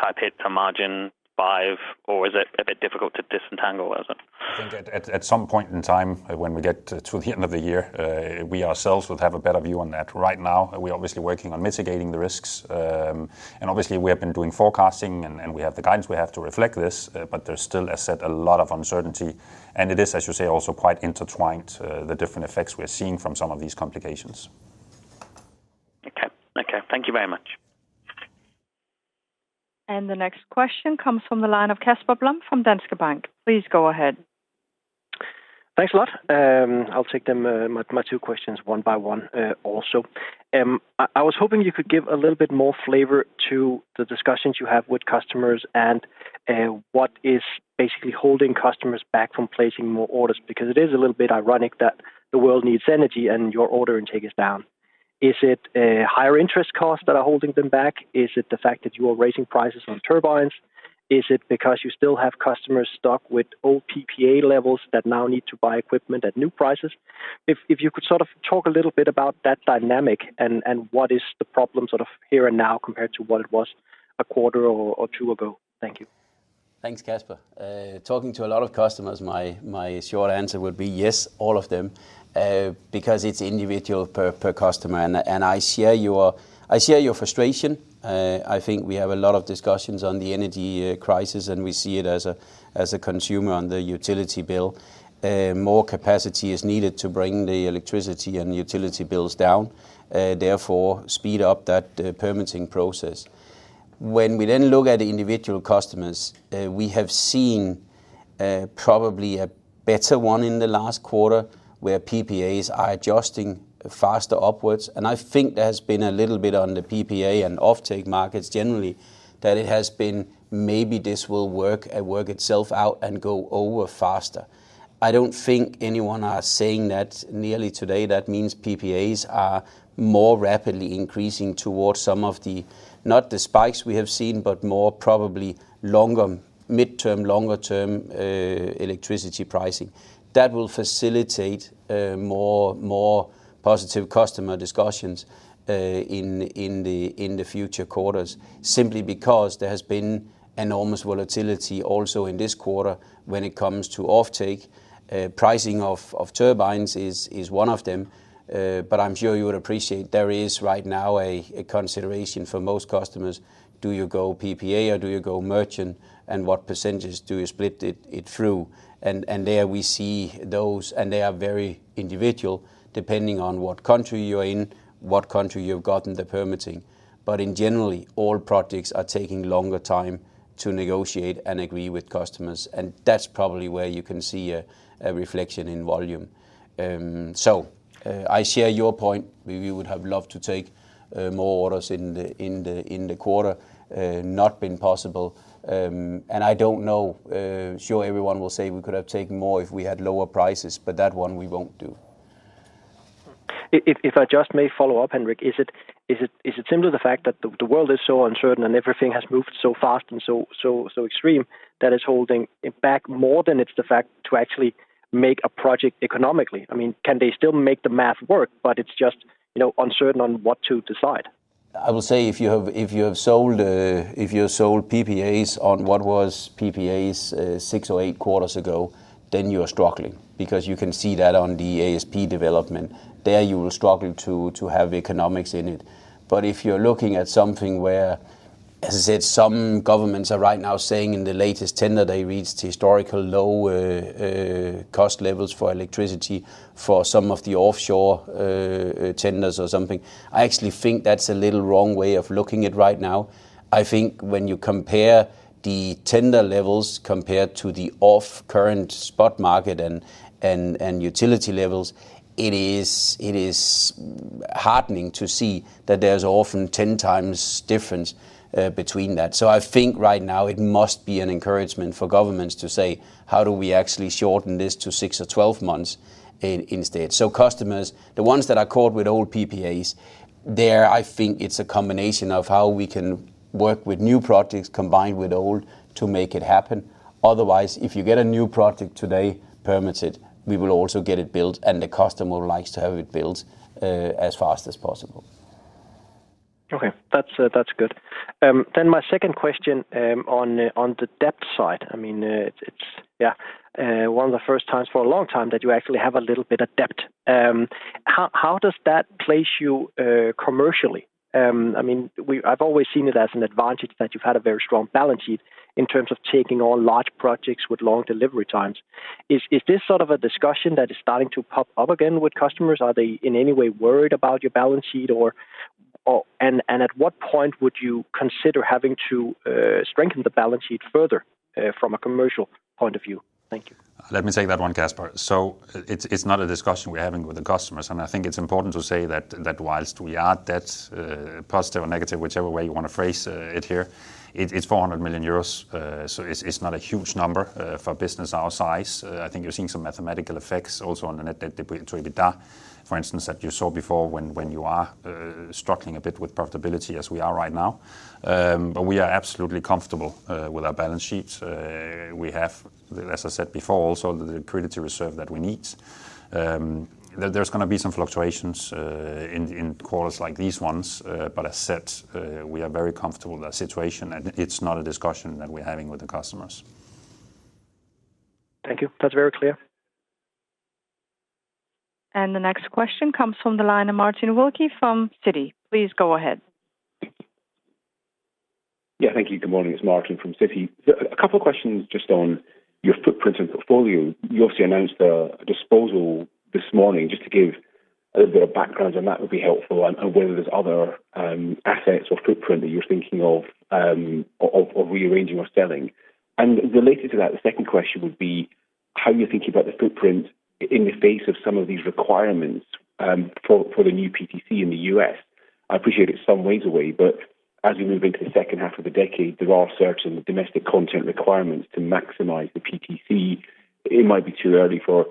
type hit to margin, 5%, or is it a bit difficult to disentangle, is it? I think at some point in time when we get to the end of the year, we ourselves will have a better view on that. Right now we're obviously working on mitigating the risks. Obviously we have been doing forecasting and we have the guidance we have to reflect this, but there's still, as said, a lot of uncertainty. It is, as you say, also quite intertwined, the different effects we're seeing from some of these complications. Okay. Okay, thank you very much. The next question comes from the line of Casper Blom from Danske Bank. Please go ahead. Thanks a lot. I'll take them my two questions one by one, also. I was hoping you could give a little bit more flavor to the discussions you have with customers and what is basically holding customers back from placing more orders, because it is a little bit ironic that the world needs energy and your order intake is down. Is it higher interest costs that are holding them back? Is it the fact that you are raising prices on turbines? Is it because you still have customers stuck with old PPA levels that now need to buy equipment at new prices? If you could sort of talk a little bit about that dynamic and what is the problem sort of here and now compared to what it was a quarter or two ago. Thank you. Thanks, Casper. Talking to a lot of customers, my short answer would be yes, all of them. Because it's individual per customer. I share your frustration. I think we have a lot of discussions on the energy crisis, and we see it as a consumer on the utility bill. More capacity is needed to bring the electricity and utility bills down, therefore speed up that permitting process. When we then look at individual customers, we have seen probably a better one in the last quarter, where PPAs are adjusting faster upwards. I think there's been a little bit on the PPA and offtake markets generally that it has been maybe this will work itself out and go over faster. I don't think anyone are saying that nearly today. That means PPAs are more rapidly increasing towards some of the, not the spikes we have seen, but more probably longer, midterm, longer term, electricity pricing. That will facilitate more positive customer discussions in the future quarters, simply because there has been enormous volatility also in this quarter when it comes to offtake. Pricing of turbines is one of them. I'm sure you would appreciate there is right now a consideration for most customers, do you go PPA or do you go merchant, and what percentage do you split it through? There we see those, and they are very individual, depending on what country you're in, what country you've gotten the permitting. In general, all projects are taking longer time to negotiate and agree with customers, and that's probably where you can see a reflection in volume. I share your point. We would have loved to take more orders in the quarter. Not been possible. I don't know. Sure everyone will say we could have taken more if we had lower prices, but that one we won't do. If I just may follow up, Henrik. Is it simply the fact that the world is so uncertain and everything has moved so fast and so extreme that it's holding it back more than it's the fact to actually make a project economically? I mean, can they still make the math work, but it's just, you know, uncertain on what to decide? I will say if you have sold PPAs on what was PPAs, six or eight quarters ago, then you are struggling because you can see that on the ASP development. There you will struggle to have economics in it. If you're looking at something where, as I said, some governments are right now saying in the latest tender they reached historical low-cost levels for electricity for some of the offshore tenders or something, I actually think that's a little wrong way of looking at right now. I think when you compare the tender levels compared to the current spot market and utility levels, it is heartening to see that there's often 10x differences between that. I think right now it must be an encouragement for governments to say, "How do we actually shorten this to six or 12 months instead?" Customers, the ones that are caught with old PPAs, there, I think it's a combination of how we can work with new projects combined with old to make it happen. Otherwise, if you get a new project today permitted, we will also get it built and the customer likes to have it built, as fast as possible. Okay. That's good. My second question on the debt side. I mean, it's yeah one of the first times for a long time that you actually have a little bit of debt. How does that place you commercially? I mean, I've always seen it as an advantage that you've had a very strong balance sheet in terms of taking on large projects with long delivery times. Is this sort of a discussion that is starting to pop up again with customers? Are they in any way worried about your balance sheet or. At what point would you consider having to strengthen the balance sheet further from a commercial point of view? Thank you. Let me take that one, Casper. It's not a discussion we're having with the customers, and I think it's important to say that while we add debt, positive or negative, whichever way you wanna phrase it here, it's 400 million euros. It's not a huge number for a business our size. I think you're seeing some mathematical effects also on the net debt to EBITDA, for instance, that you saw before when you are struggling a bit with profitability as we are right now. We are absolutely comfortable with our balance sheet. We have, as I said before, also the liquidity reserve that we need. There's gonna be some fluctuations in quarters like these ones, but as said, we are very comfortable with that situation, and it's not a discussion that we're having with the customers. Thank you. That's very clear. The next question comes from the line of Martin Wilkie from Citi. Please go ahead. Yeah, thank you. Good morning. It's Martin from Citi. A couple of questions just on your footprint and portfolio. You obviously announced a disposal this morning. Just to give a little bit of background on that would be helpful and whether there's other assets or footprint that you're thinking of of rearranging or selling. Related to that, the second question would be how you're thinking about the footprint in the face of some of these requirements for the new PTC in the U.S. I appreciate it's some ways away, but as we move into the second half of the decade, there are certain domestic content requirements to maximize the PTC. It might be too early for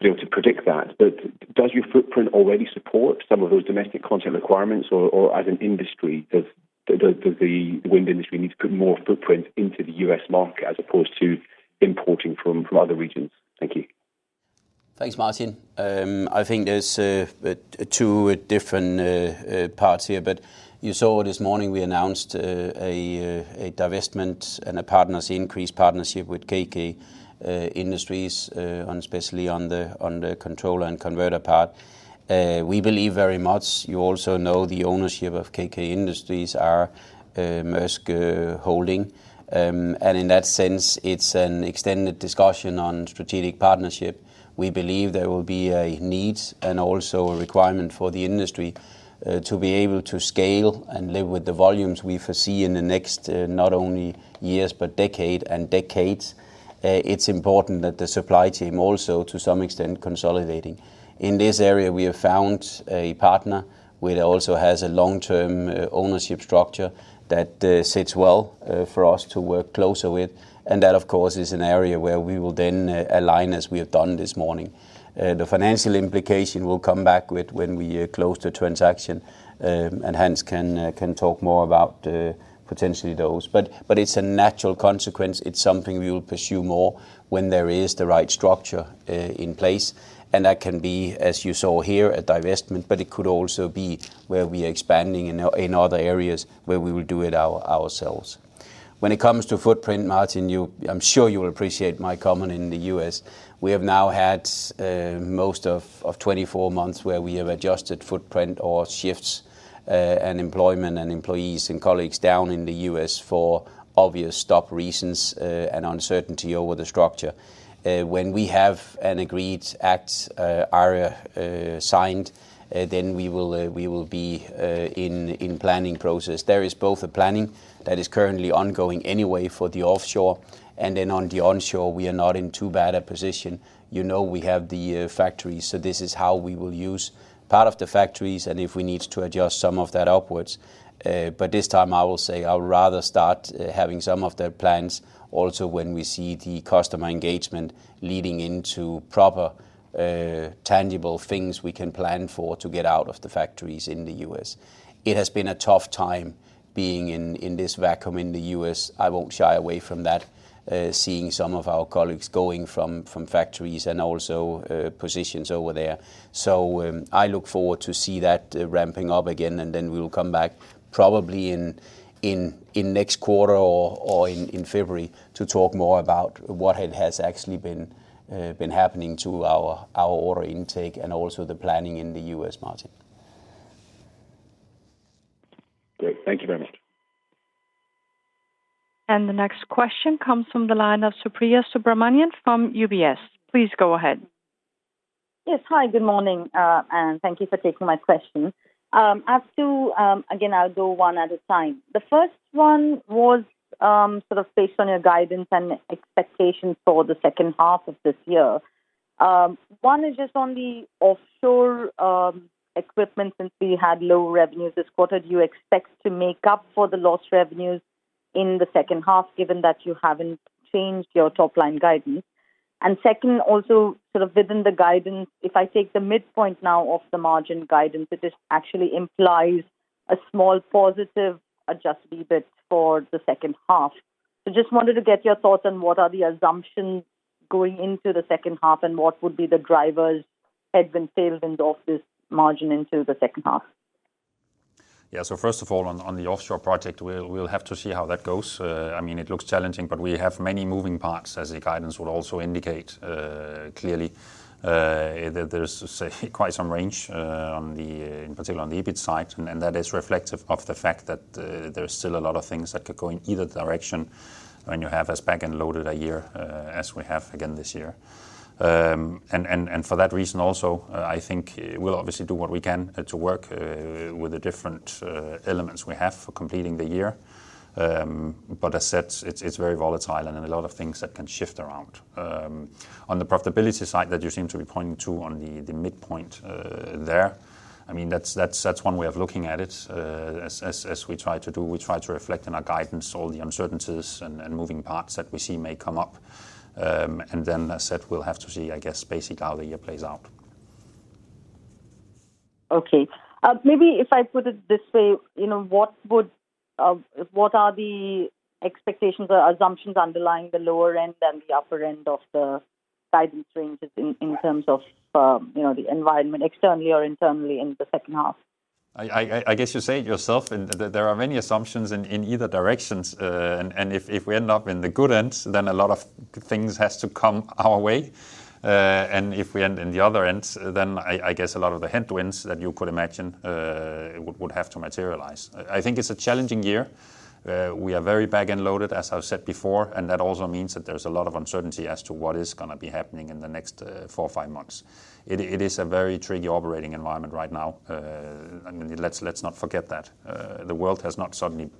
you to predict that, but does your footprint already support some of those domestic content requirements? As an industry, does the wind industry need to put more footprint into the U.S. market as opposed to importing from other regions? Thank you. Thanks, Martin. I think there's two different parts here. You saw this morning we announced a divestment and an increased partnership with KK Wind Solutions, especially on the controller and converter part. We believe very much. You also know the ownership of KK Wind Solutions are A.P. Moller Holding. In that sense, it's an extended discussion on strategic partnership. We believe there will be a need and also a requirement for the industry to be able to scale and live with the volumes we foresee in the next not only years, but decade and decades. It's important that the supply chain also to some extent consolidating. In this area, we have found a partner which also has a long-term ownership structure that sits well for us to work closer with. That, of course, is an area where we will then align as we have done this morning. The financial implication we'll come back with when we close the transaction, and Hans can talk more about potentially those. But it's a natural consequence. It's something we will pursue more when there is the right structure in place, and that can be, as you saw here, a divestment, but it could also be where we are expanding in other areas where we will do it ourselves. When it comes to footprint, Martin, you, I'm sure you will appreciate my comment in the US. We have now had most of 24 months where we have adjusted footprint or shift and employment and employees and colleagues down in the U.S. for obvious reasons and uncertainty over the structure. When we have the Inflation Reduction Act signed, then we will be in planning process. There is both a planning that is currently ongoing for the offshore and then on the onshore, we are not in too bad a position. You know, we have the factories, so this is how we will use part of the factories and if we need to adjust some of that upwards. This time I will say I would rather start having some of the plans also when we see the customer engagement leading into proper tangible things we can plan for to get out of the factories in the US. It has been a tough time being in this vacuum in the U.S. I won't shy away from that, seeing some of our colleagues going from factories and also positions over there. I look forward to see that ramping up again, and then we will come back probably in next quarter or in February to talk more about what it has actually been happening to our order intake and also the planning in the U.S., Martin. Thank you very much. The next question comes from the line of Supriya Subramanian from UBS. Please go ahead. Yes. Hi, good morning, and thank you for taking my question. As to, again, I'll go one at a time. The first one was sort of based on your guidance and expectations for the second half of this year. One is just on the offshore equipment since we had low revenues this quarter. Do you expect to make up for the lost revenues in the second half given that you haven't changed your top-line guidance? And second, also sort of within the guidance, if I take the midpoint now of the margin guidance, it just actually implies a small positive adjusted EBIT for the second half. Just wanted to get your thoughts on what are the assumptions going into the second half and what would be the drivers, headwinds, tailwinds of this margin into the second half. Yeah. First of all, on the offshore project, we'll have to see how that goes. I mean, it looks challenging, but we have many moving parts, as the guidance would also indicate clearly that there's, say, quite some range, in particular on the EBIT side, and that is reflective of the fact that there's still a lot of things that could go in either direction when you have as back-end loaded a year as we have again this year. And for that reason also, I think we'll obviously do what we can to work with the different elements we have for completing the year. As said, it's very volatile and there are a lot of things that can shift around. On the profitability side that you seem to be pointing to on the midpoint, there, I mean, that's one way of looking at it. As we try to reflect in our guidance all the uncertainties and moving parts that we see may come up. As said, we'll have to see, I guess, basically how the year plays out. Okay. Maybe if I put it this way, you know, what are the expectations or assumptions underlying the lower end and the upper end of the guidance ranges in terms of, you know, the environment externally or internally in the second half? I guess you say it yourself and there are many assumptions in either directions. And if we end up in the good end, then a lot of things has to come our way. And if we end in the other end, then I guess a lot of the headwinds that you could imagine would have to materialize. I think it's a challenging year. We are very back-end loaded, as I've said before, and that also means that there's a lot of uncertainty as to what is gonna be happening in the next four or five months. It is a very tricky operating environment right now. I mean, let's not forget that. The world has not suddenly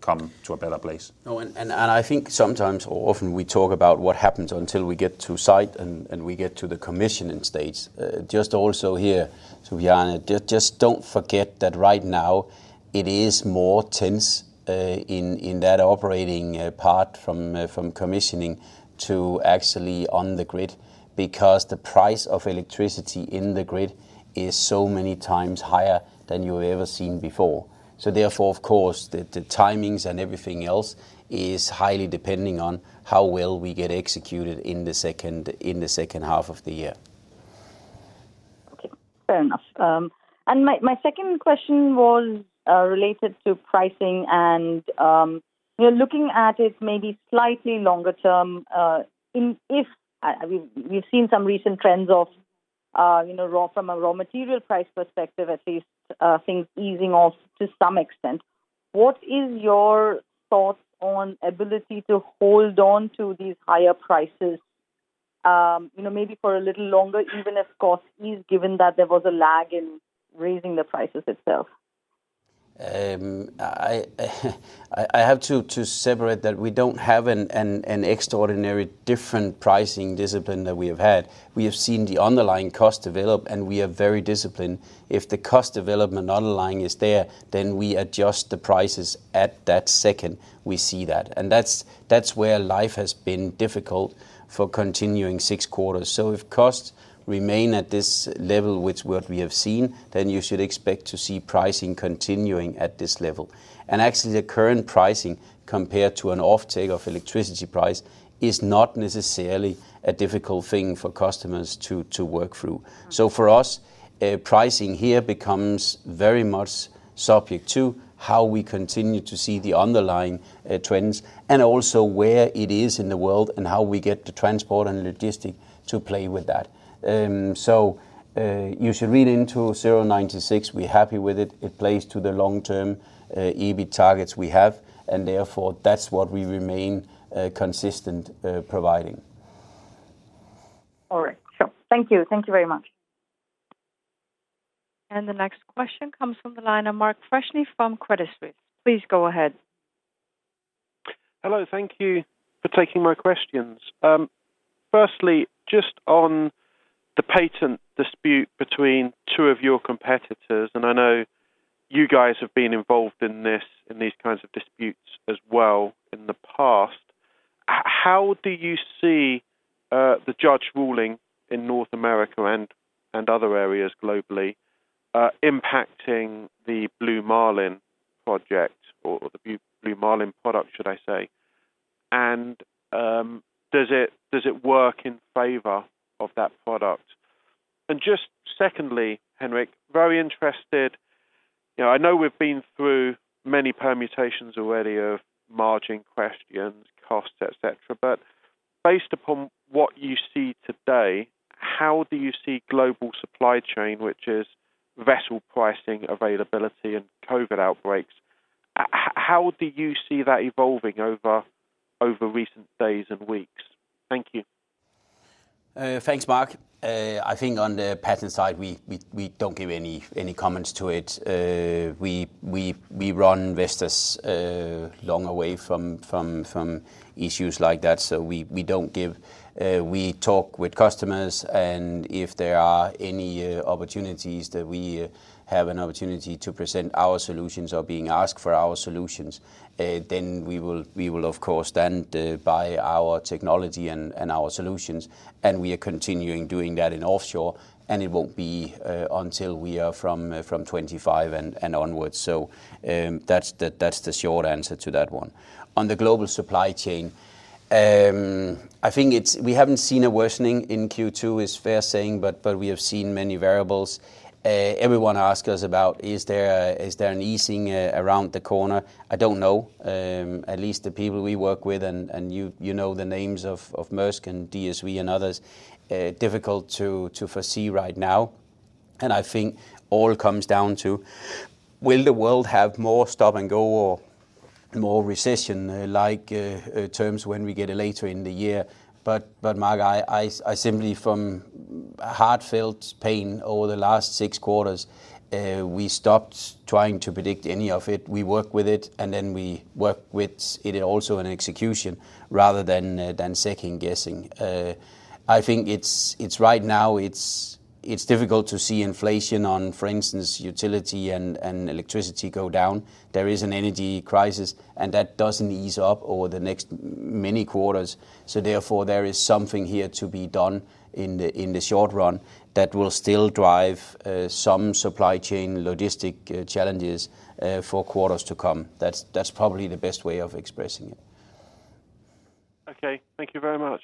come to a better place. No. I think sometimes or often we talk about what happens until we get to site and we get to the commissioning stage. Just also here, Supriya, just don't forget that right now it is more tense in that operating part from commissioning to actually on the grid, because the price of electricity in the grid is so many times higher than you've ever seen before. Therefore, of course, the timings and everything else is highly depending on how well we get executed in the second half of the year. Okay. Fair enough. My second question was related to pricing and, you know, looking at it may be slightly longer term. We've seen some recent trends of, you know, from a raw material price perspective, at least, things easing off to some extent. What is your thoughts on ability to hold on to these higher prices, you know, maybe for a little longer, even if costs ease, given that there was a lag in raising the prices itself? I have to separate that we don't have an extraordinary different pricing discipline than we have had. We have seen the underlying cost develop, and we are very disciplined. If the cost development underlying is there, then we adjust the prices at that second we see that. That's where life has been difficult for continuing six quarters. If costs remain at this level, which what we have seen, then you should expect to see pricing continuing at this level. Actually, the current pricing compared to an offtake of electricity price is not necessarily a difficult thing for customers to work through. For us, pricing here becomes very much subject to how we continue to see the underlying trends and also where it is in the world and how we get the transport and logistics to play with that. You should read into 0.96. We're happy with it. It plays to the long-term EBIT targets we have, and therefore, that's what we remain consistent providing. All right. Sure. Thank you. Thank you very much. The next question comes from the line of Mark Freshney from Credit Suisse. Please go ahead. Hello. Thank you for taking my questions. Firstly, just on the patent dispute between two of your competitors, and I know you guys have been involved in these kinds of disputes as well in the past. How do you see the judge ruling in North America and other areas globally impacting the V236-15.0 MW project or the V236-15.0 MW product, should I say? And does it work in favor of that product? And just secondly, Henrik, very interested. You know, I know we've been through many permutations already of margin questions, costs, et cetera, but. Based upon what you see today, how do you see global supply chain, which is vessel pricing, availability, and COVID outbreaks, how do you see that evolving over recent days and weeks? Thank you. Thanks, Mark. I think on the patent side, we don't give any comments to it. We run Vestas long way away from issues like that. We don't give. We talk with customers, and if there are any opportunities that we have an opportunity to present our solutions or being asked for our solutions, then we will of course stand by our technology and our solutions, and we are continuing doing that in offshore, and it won't be until we are from 2025 and onwards. That's the short answer to that one. On the global supply chain, I think it's. We haven't seen a worsening in Q2, it's fair to say, but we have seen many variables. Everyone asks us about, is there an easing around the corner? I don't know. At least the people we work with and you know the names of Maersk and DSV and others, difficult to foresee right now. I think all comes down to, will the world have more stop-and-go or more recession, like terms when we get later in the year? Mark, I simply from heartfelt pain over the last six quarters, we stopped trying to predict any of it. We work with it, and then we work with it also in execution rather than second-guessing. I think it's difficult to see inflation on, for instance, utility and electricity go down. There is an energy crisis, and that doesn't ease up over the next many quarters. Therefore, there is something here to be done in the short run that will still drive some supply chain logistics challenges for quarters to come. That's probably the best way of expressing it. Okay. Thank you very much.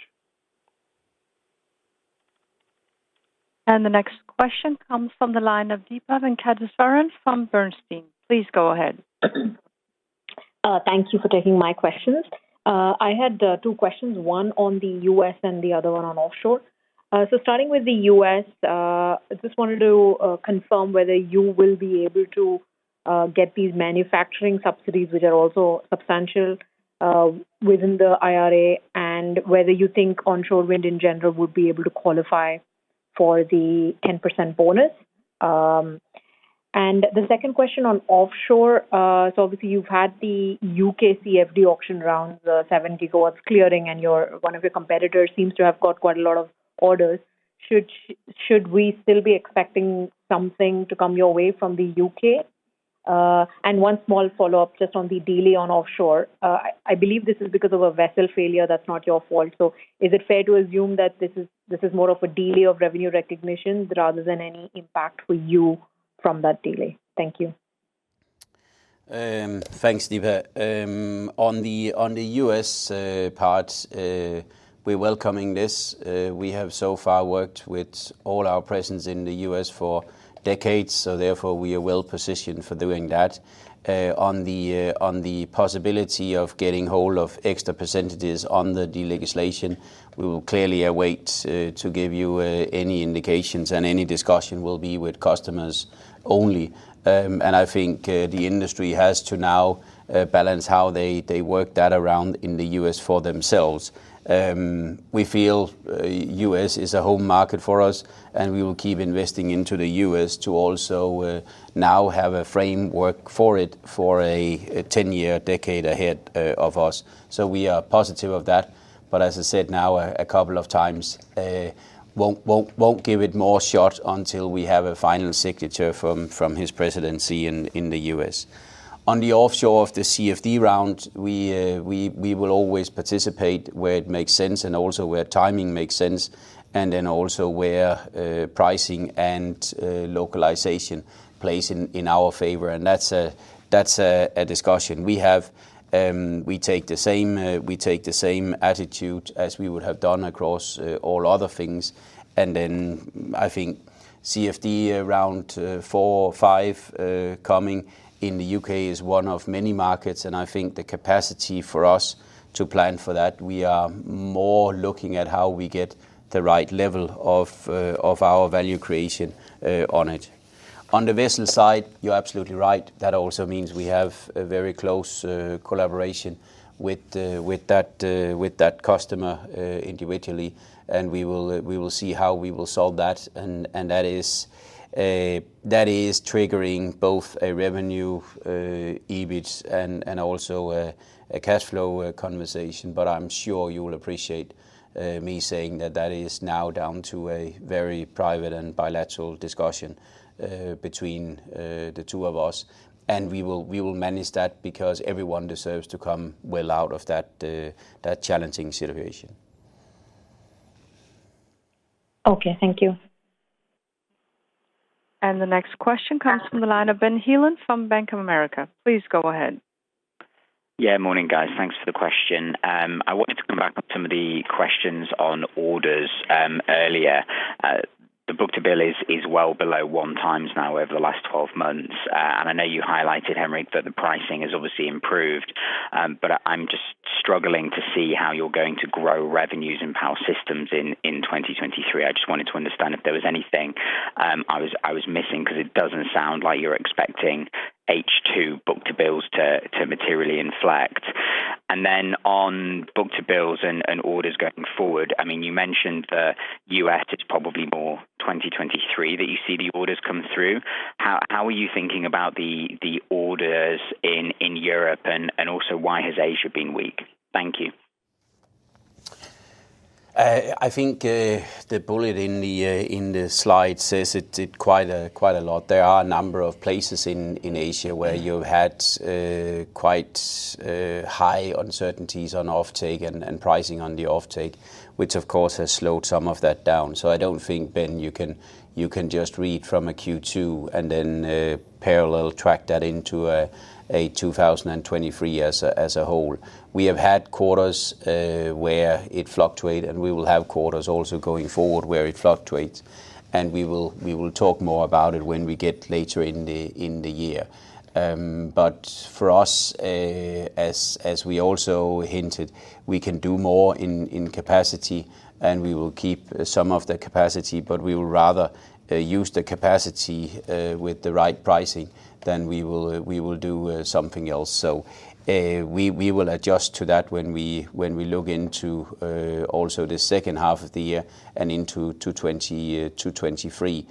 The next question comes from the line of Deepa Venkateswaran from Bernstein. Please go ahead. Thank you for taking my questions. I had two questions, one on the US and the other one on offshore. Starting with the U.S., I just wanted to confirm whether you will be able to get these manufacturing subsidies which are also substantial within the IRA, and whether you think onshore wind in general would be able to qualify for the 10% bonus. The second question on offshore, so obviously you've had the U.K. CFD auction round, the 70 GW clearing, and one of your competitors seems to have got quite a lot of orders. Should we still be expecting something to come your way from the U.K.? One small follow-up just on the delay on offshore. I believe this is because of a vessel failure that's not your fault. Is it fair to assume that this is more of a delay of revenue recognition rather than any impact for you from that delay? Thank you. Thanks, Deepa. On the U.S. part, we're welcoming this. We have so far worked with all our presence in the U.S. for decades, so therefore we are well-positioned for doing that. On the possibility of getting hold of extra percentages on the legislation, we will clearly await to give you any indications, and any discussion will be with customers only. I think the industry has to now balance how they work that around in the U.S. for themselves. We feel U.S. is a home market for us, and we will keep investing into the U.S. to also now have a framework for it for a 10-year decade ahead of us. We are positive of that. As I said now a couple of times, won't give it more thought until we have a final signature from the President in the U.S. On the offshore CFD round, we will always participate where it makes sense and also where timing makes sense, and then also where pricing and localization plays in our favor. That's a discussion. We have we take the same attitude as we would have done across all other things. I think CFD round four or five coming in the U.K. is one of many markets, and I think the capacity for us to plan for that, we are more looking at how we get the right level of our value creation on it. On the vessel side, you're absolutely right. That also means we have a very close collaboration with that customer individually, and we will see how we will solve that. That is triggering both a revenue, EBIT and also a cash flow conversation. I'm sure you will appreciate me saying that is now down to a very private and bilateral discussion between the two of us. We will manage that because everyone deserves to come well out of that challenging situation. Okay, thank you. The next question comes from the line of Benjamin Heelan from Bank of America. Please go ahead. Yeah. Morning, guys. Thanks for the question. I wanted to come back on some of the questions on orders earlier. The book-to-bill is well below 1x now over the last 12 months. I know you highlighted, Henrik, that the pricing has obviously improved, but I'm just struggling to see how you're going to grow revenues in Power Solutions in 2023. I just wanted to understand if there was anything I was missing, cause it doesn't sound like you're expecting H2 book-to-bills to materially inflect. On book-to-bills and orders going forward, I mean, you mentioned for U.S. it's probably more 2023 that you see the orders come through. How are you thinking about the orders in Europe? Also, why has Asia been weak? Thank you. I think the bullet in the slide says it quite a lot. There are a number of places in Asia where you had quite high uncertainties on offtake and pricing on the offtake, which of course has slowed some of that down. I don't think, Ben, you can just read from a Q2 and then parallel track that into a 2023 as a whole. We have had quarters where it fluctuates, and we will have quarters also going forward where it fluctuates, and we will talk more about it when we get later in the year. For us, as we also hinted, we can do more in capacity, and we will keep some of the capacity, but we would rather use the capacity with the right pricing than we will do something else. We will adjust to that when we look into also the second half of the year and into 2022 and 2023.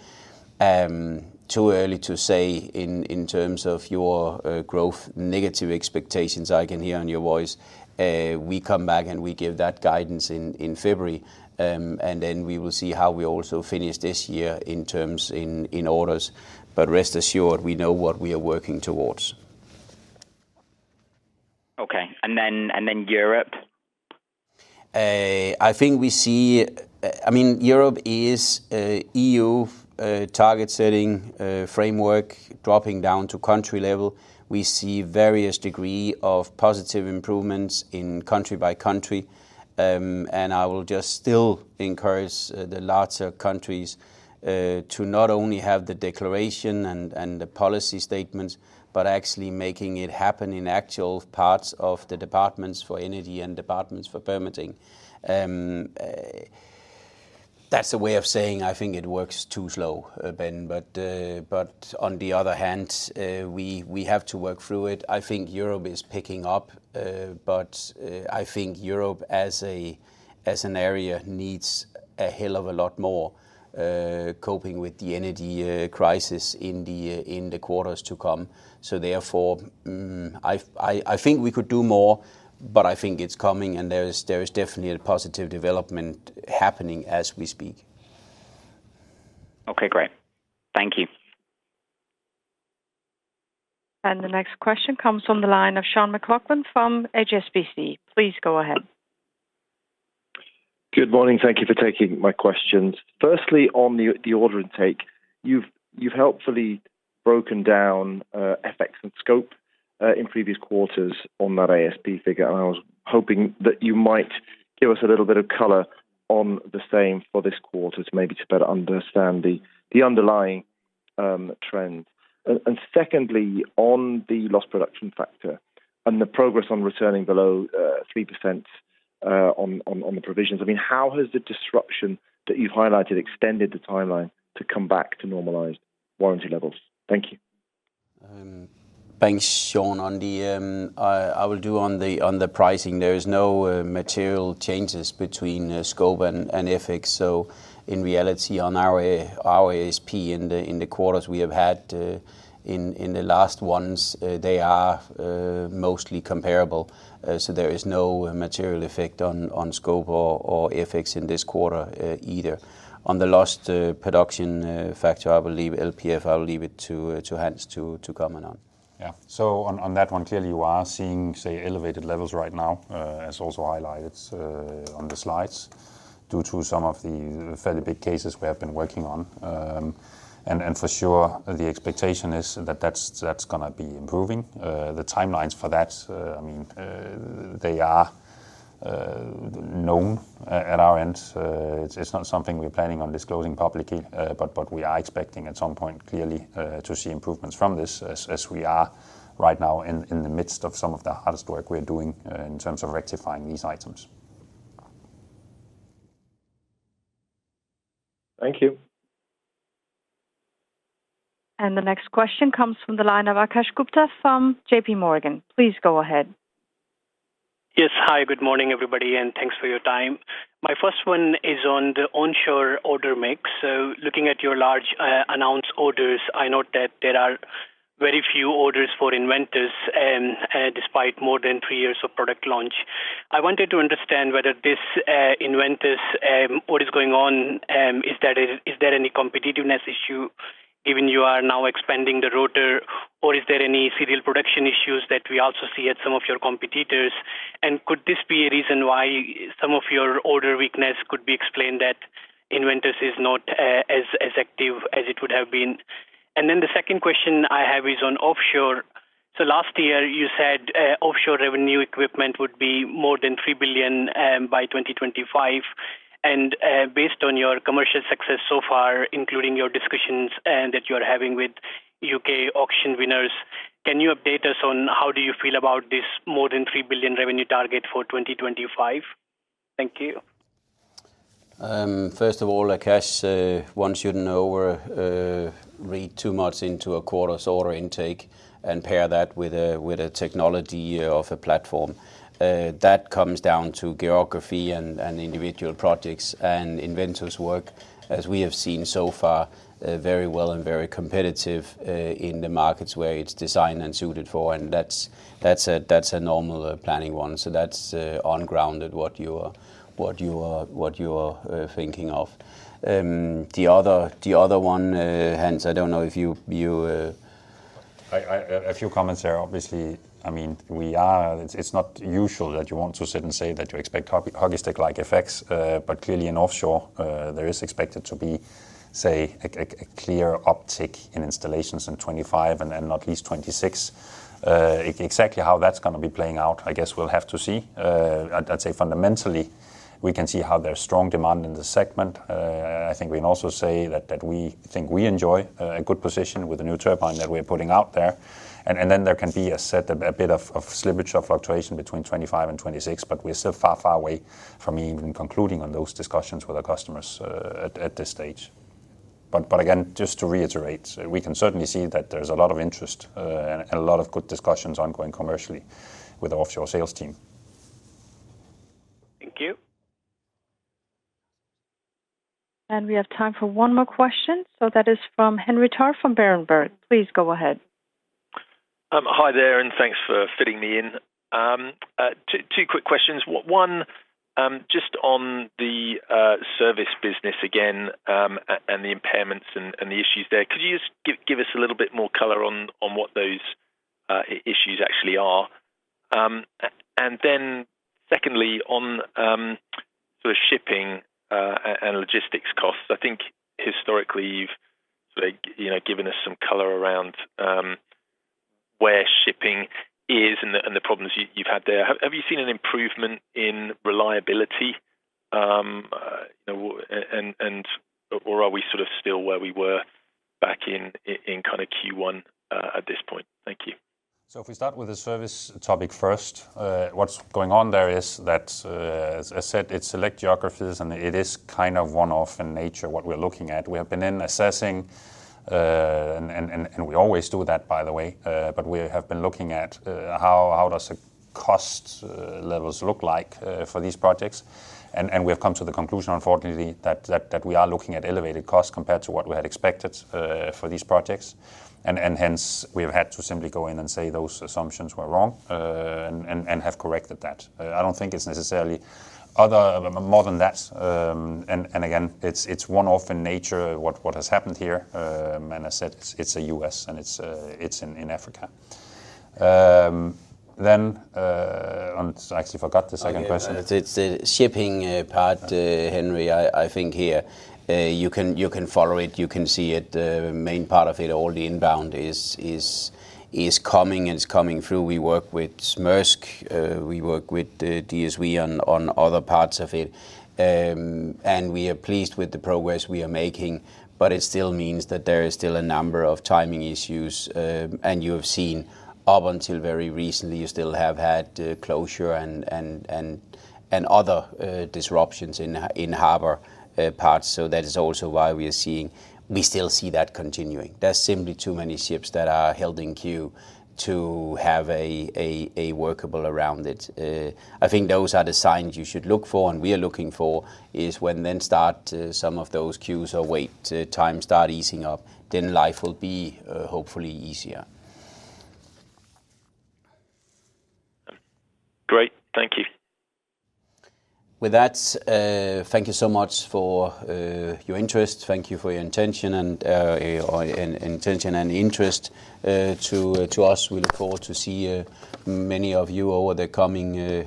It is too early to say in terms of your growth negative expectations, I can hear in your voice. We come back and we give that guidance in February, and then we will see how we also finish this year in terms of orders. Rest assured, we know what we are working towards. Okay. Europe? I think we see. I mean, Europe is EU target-setting framework dropping down to country level. We see various degree of positive improvements in country by country. I will just still encourage the larger countries to not only have the declaration and the policy statements, but actually making it happen in actual parts of the departments for energy and departments for permitting. That's a way of saying I think it works too slow, Ben, but on the other hand, we have to work through it. I think Europe is picking up, but I think Europe as an area needs a hell of a lot more coping with the energy crisis in the quarters to come. Therefore, I think we could do more, but I think it's coming and there is definitely a positive development happening as we speak. Okay, great. Thank you. The next question comes from the line of Sean McLoughlin from HSBC. Please go ahead. Good morning. Thank you for taking my questions. Firstly, on the order intake, you've helpfully broken down FX and scope in previous quarters on that ASP figure, and I was hoping that you might give us a little bit of color on the same for this quarter to maybe better understand the underlying trend. Secondly, on the Lost Production Factor and the progress on returning below 3%, on the provisions, I mean, how has the disruption that you've highlighted extended the timeline to come back to normalized warranty levels? Thank you. Thanks, Sean. On the pricing. I will do on the pricing. There is no material changes between scope and FX. In reality, on our ASP in the quarters we have had in the last ones, they are mostly comparable. There is no material effect on scope or FX in this quarter, either. On the last production factor, I will leave LPF to Hans to comment on. Yeah. On that one, clearly you are seeing, say, elevated levels right now, as also highlighted on the slides due to some of the fairly big cases we have been working on. For sure the expectation is that that's gonna be improving. The timelines for that, I mean, they are known at our end. It's not something we're planning on disclosing publicly. We are expecting at some point clearly to see improvements from this as we are right now in the midst of some of the hardest work we're doing in terms of rectifying these items. Thank you. The next question comes from the line of Akash Gupta from JP Morgan. Please go ahead. Yes. Hi, good morning, everybody, and thanks for your time. My first one is on the onshore order mix. Looking at your large, announced orders, I note that there are very few orders for EnVentus, despite more than three years of product launch. I wanted to understand whether this EnVentus, what is going on, is that. Is there any competitiveness issue given you are now expanding the rotor? Or is there any serial production issues that we also see at some of your competitors? And could this be a reason why some of your order weakness could be explained that EnVentus is not, as active as it would have been? Then the second question I have is on offshore. Last year you said, offshore revenue equipment would be more than 3 billion, by 2025. Based on your commercial success so far, including your discussions that you're having with U.K. auction winners, can you update us on how do you feel about this more than 3 billion revenue target for 2025? Thank you. First of all, Akash, one shouldn't overread too much into a quarter's order intake and pair that with a technology of a platform. That comes down to geography and individual projects and EnVentus work, as we have seen so far, very well and very competitive in the markets where it's designed and suited for, and that's a normal planning one. So that's on the ground what you're thinking of. The other one, Hans, I don't know if you. A few comments there. Obviously, I mean, it's not usual that you want to sit and say that you expect hockey stick-like effects. Clearly in offshore, there is expected to be, say, a clear uptick in installations in 2025 and then at least 2026. Exactly how that's gonna be playing out, I guess we'll have to see. I'd say fundamentally, we can see how there's strong demand in the segment. I think we can also say that we think we enjoy a good position with the new turbine that we're putting out there. Then there can be a bit of slippage or fluctuation between 2025 and 2026, but we're still far away from even concluding on those discussions with our customers, at this stage. Again, just to reiterate, we can certainly see that there's a lot of interest, and a lot of good discussions ongoing commercially with the offshore sales team. Thank you. We have time for one more question. That is from Henry Tarr from Berenberg. Please go ahead. Hi there, and thanks for fitting me in. Two quick questions. One, just on the service business again, and the impairments and the issues there. Could you just give us a little bit more color on what those issues actually are? Then secondly, on sort of shipping and logistics costs, I think historically, you've sort of, you know, given us some color around where shipping is and the problems you've had there. Have you seen an improvement in reliability, and. Or are we sort of still where we were back in in kinda Q1 at this point? Thank you. If we start with the service topic first, what's going on there is that, as I said, it's select geographies, and it is kind of one-off in nature, what we're looking at. We have been then assessing, and we always do that, by the way, but we have been looking at, how does the cost levels look like, for these projects. We have come to the conclusion, unfortunately, that we are looking at elevated costs compared to what we had expected, for these projects. We have had to simply go in and say those assumptions were wrong, and have corrected that. I don't think it's necessarily more than that. Again, it's one-off in nature, what has happened here. I said, it's a U.S., and it's in Africa. I actually forgot the second question. It's the shipping, part, Henry. I think here, you can follow it, you can see it. The main part of it, all the inbound is coming, and it's coming through. We work with Maersk. We work with DSV on other parts of it. We are pleased with the progress we are making, but it still means that there is still a number of timing issues. You have seen up until very recently, you still have had closure and other disruptions in harbor parts. That is also why we still see that continuing. There's simply too many ships that are held in queue to have a workable way around it. I think those are the signs you should look for and we are looking for is when some of those queues or wait times start easing up, then life will be hopefully easier. Great. Thank you. With that, thank you so much for your interest. Thank you for your attention and or intention and interest to us. We look forward to see many of you over the coming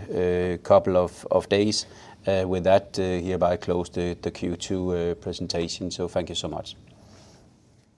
couple of days. With that, hereby close the Q2 presentation. Thank you so much.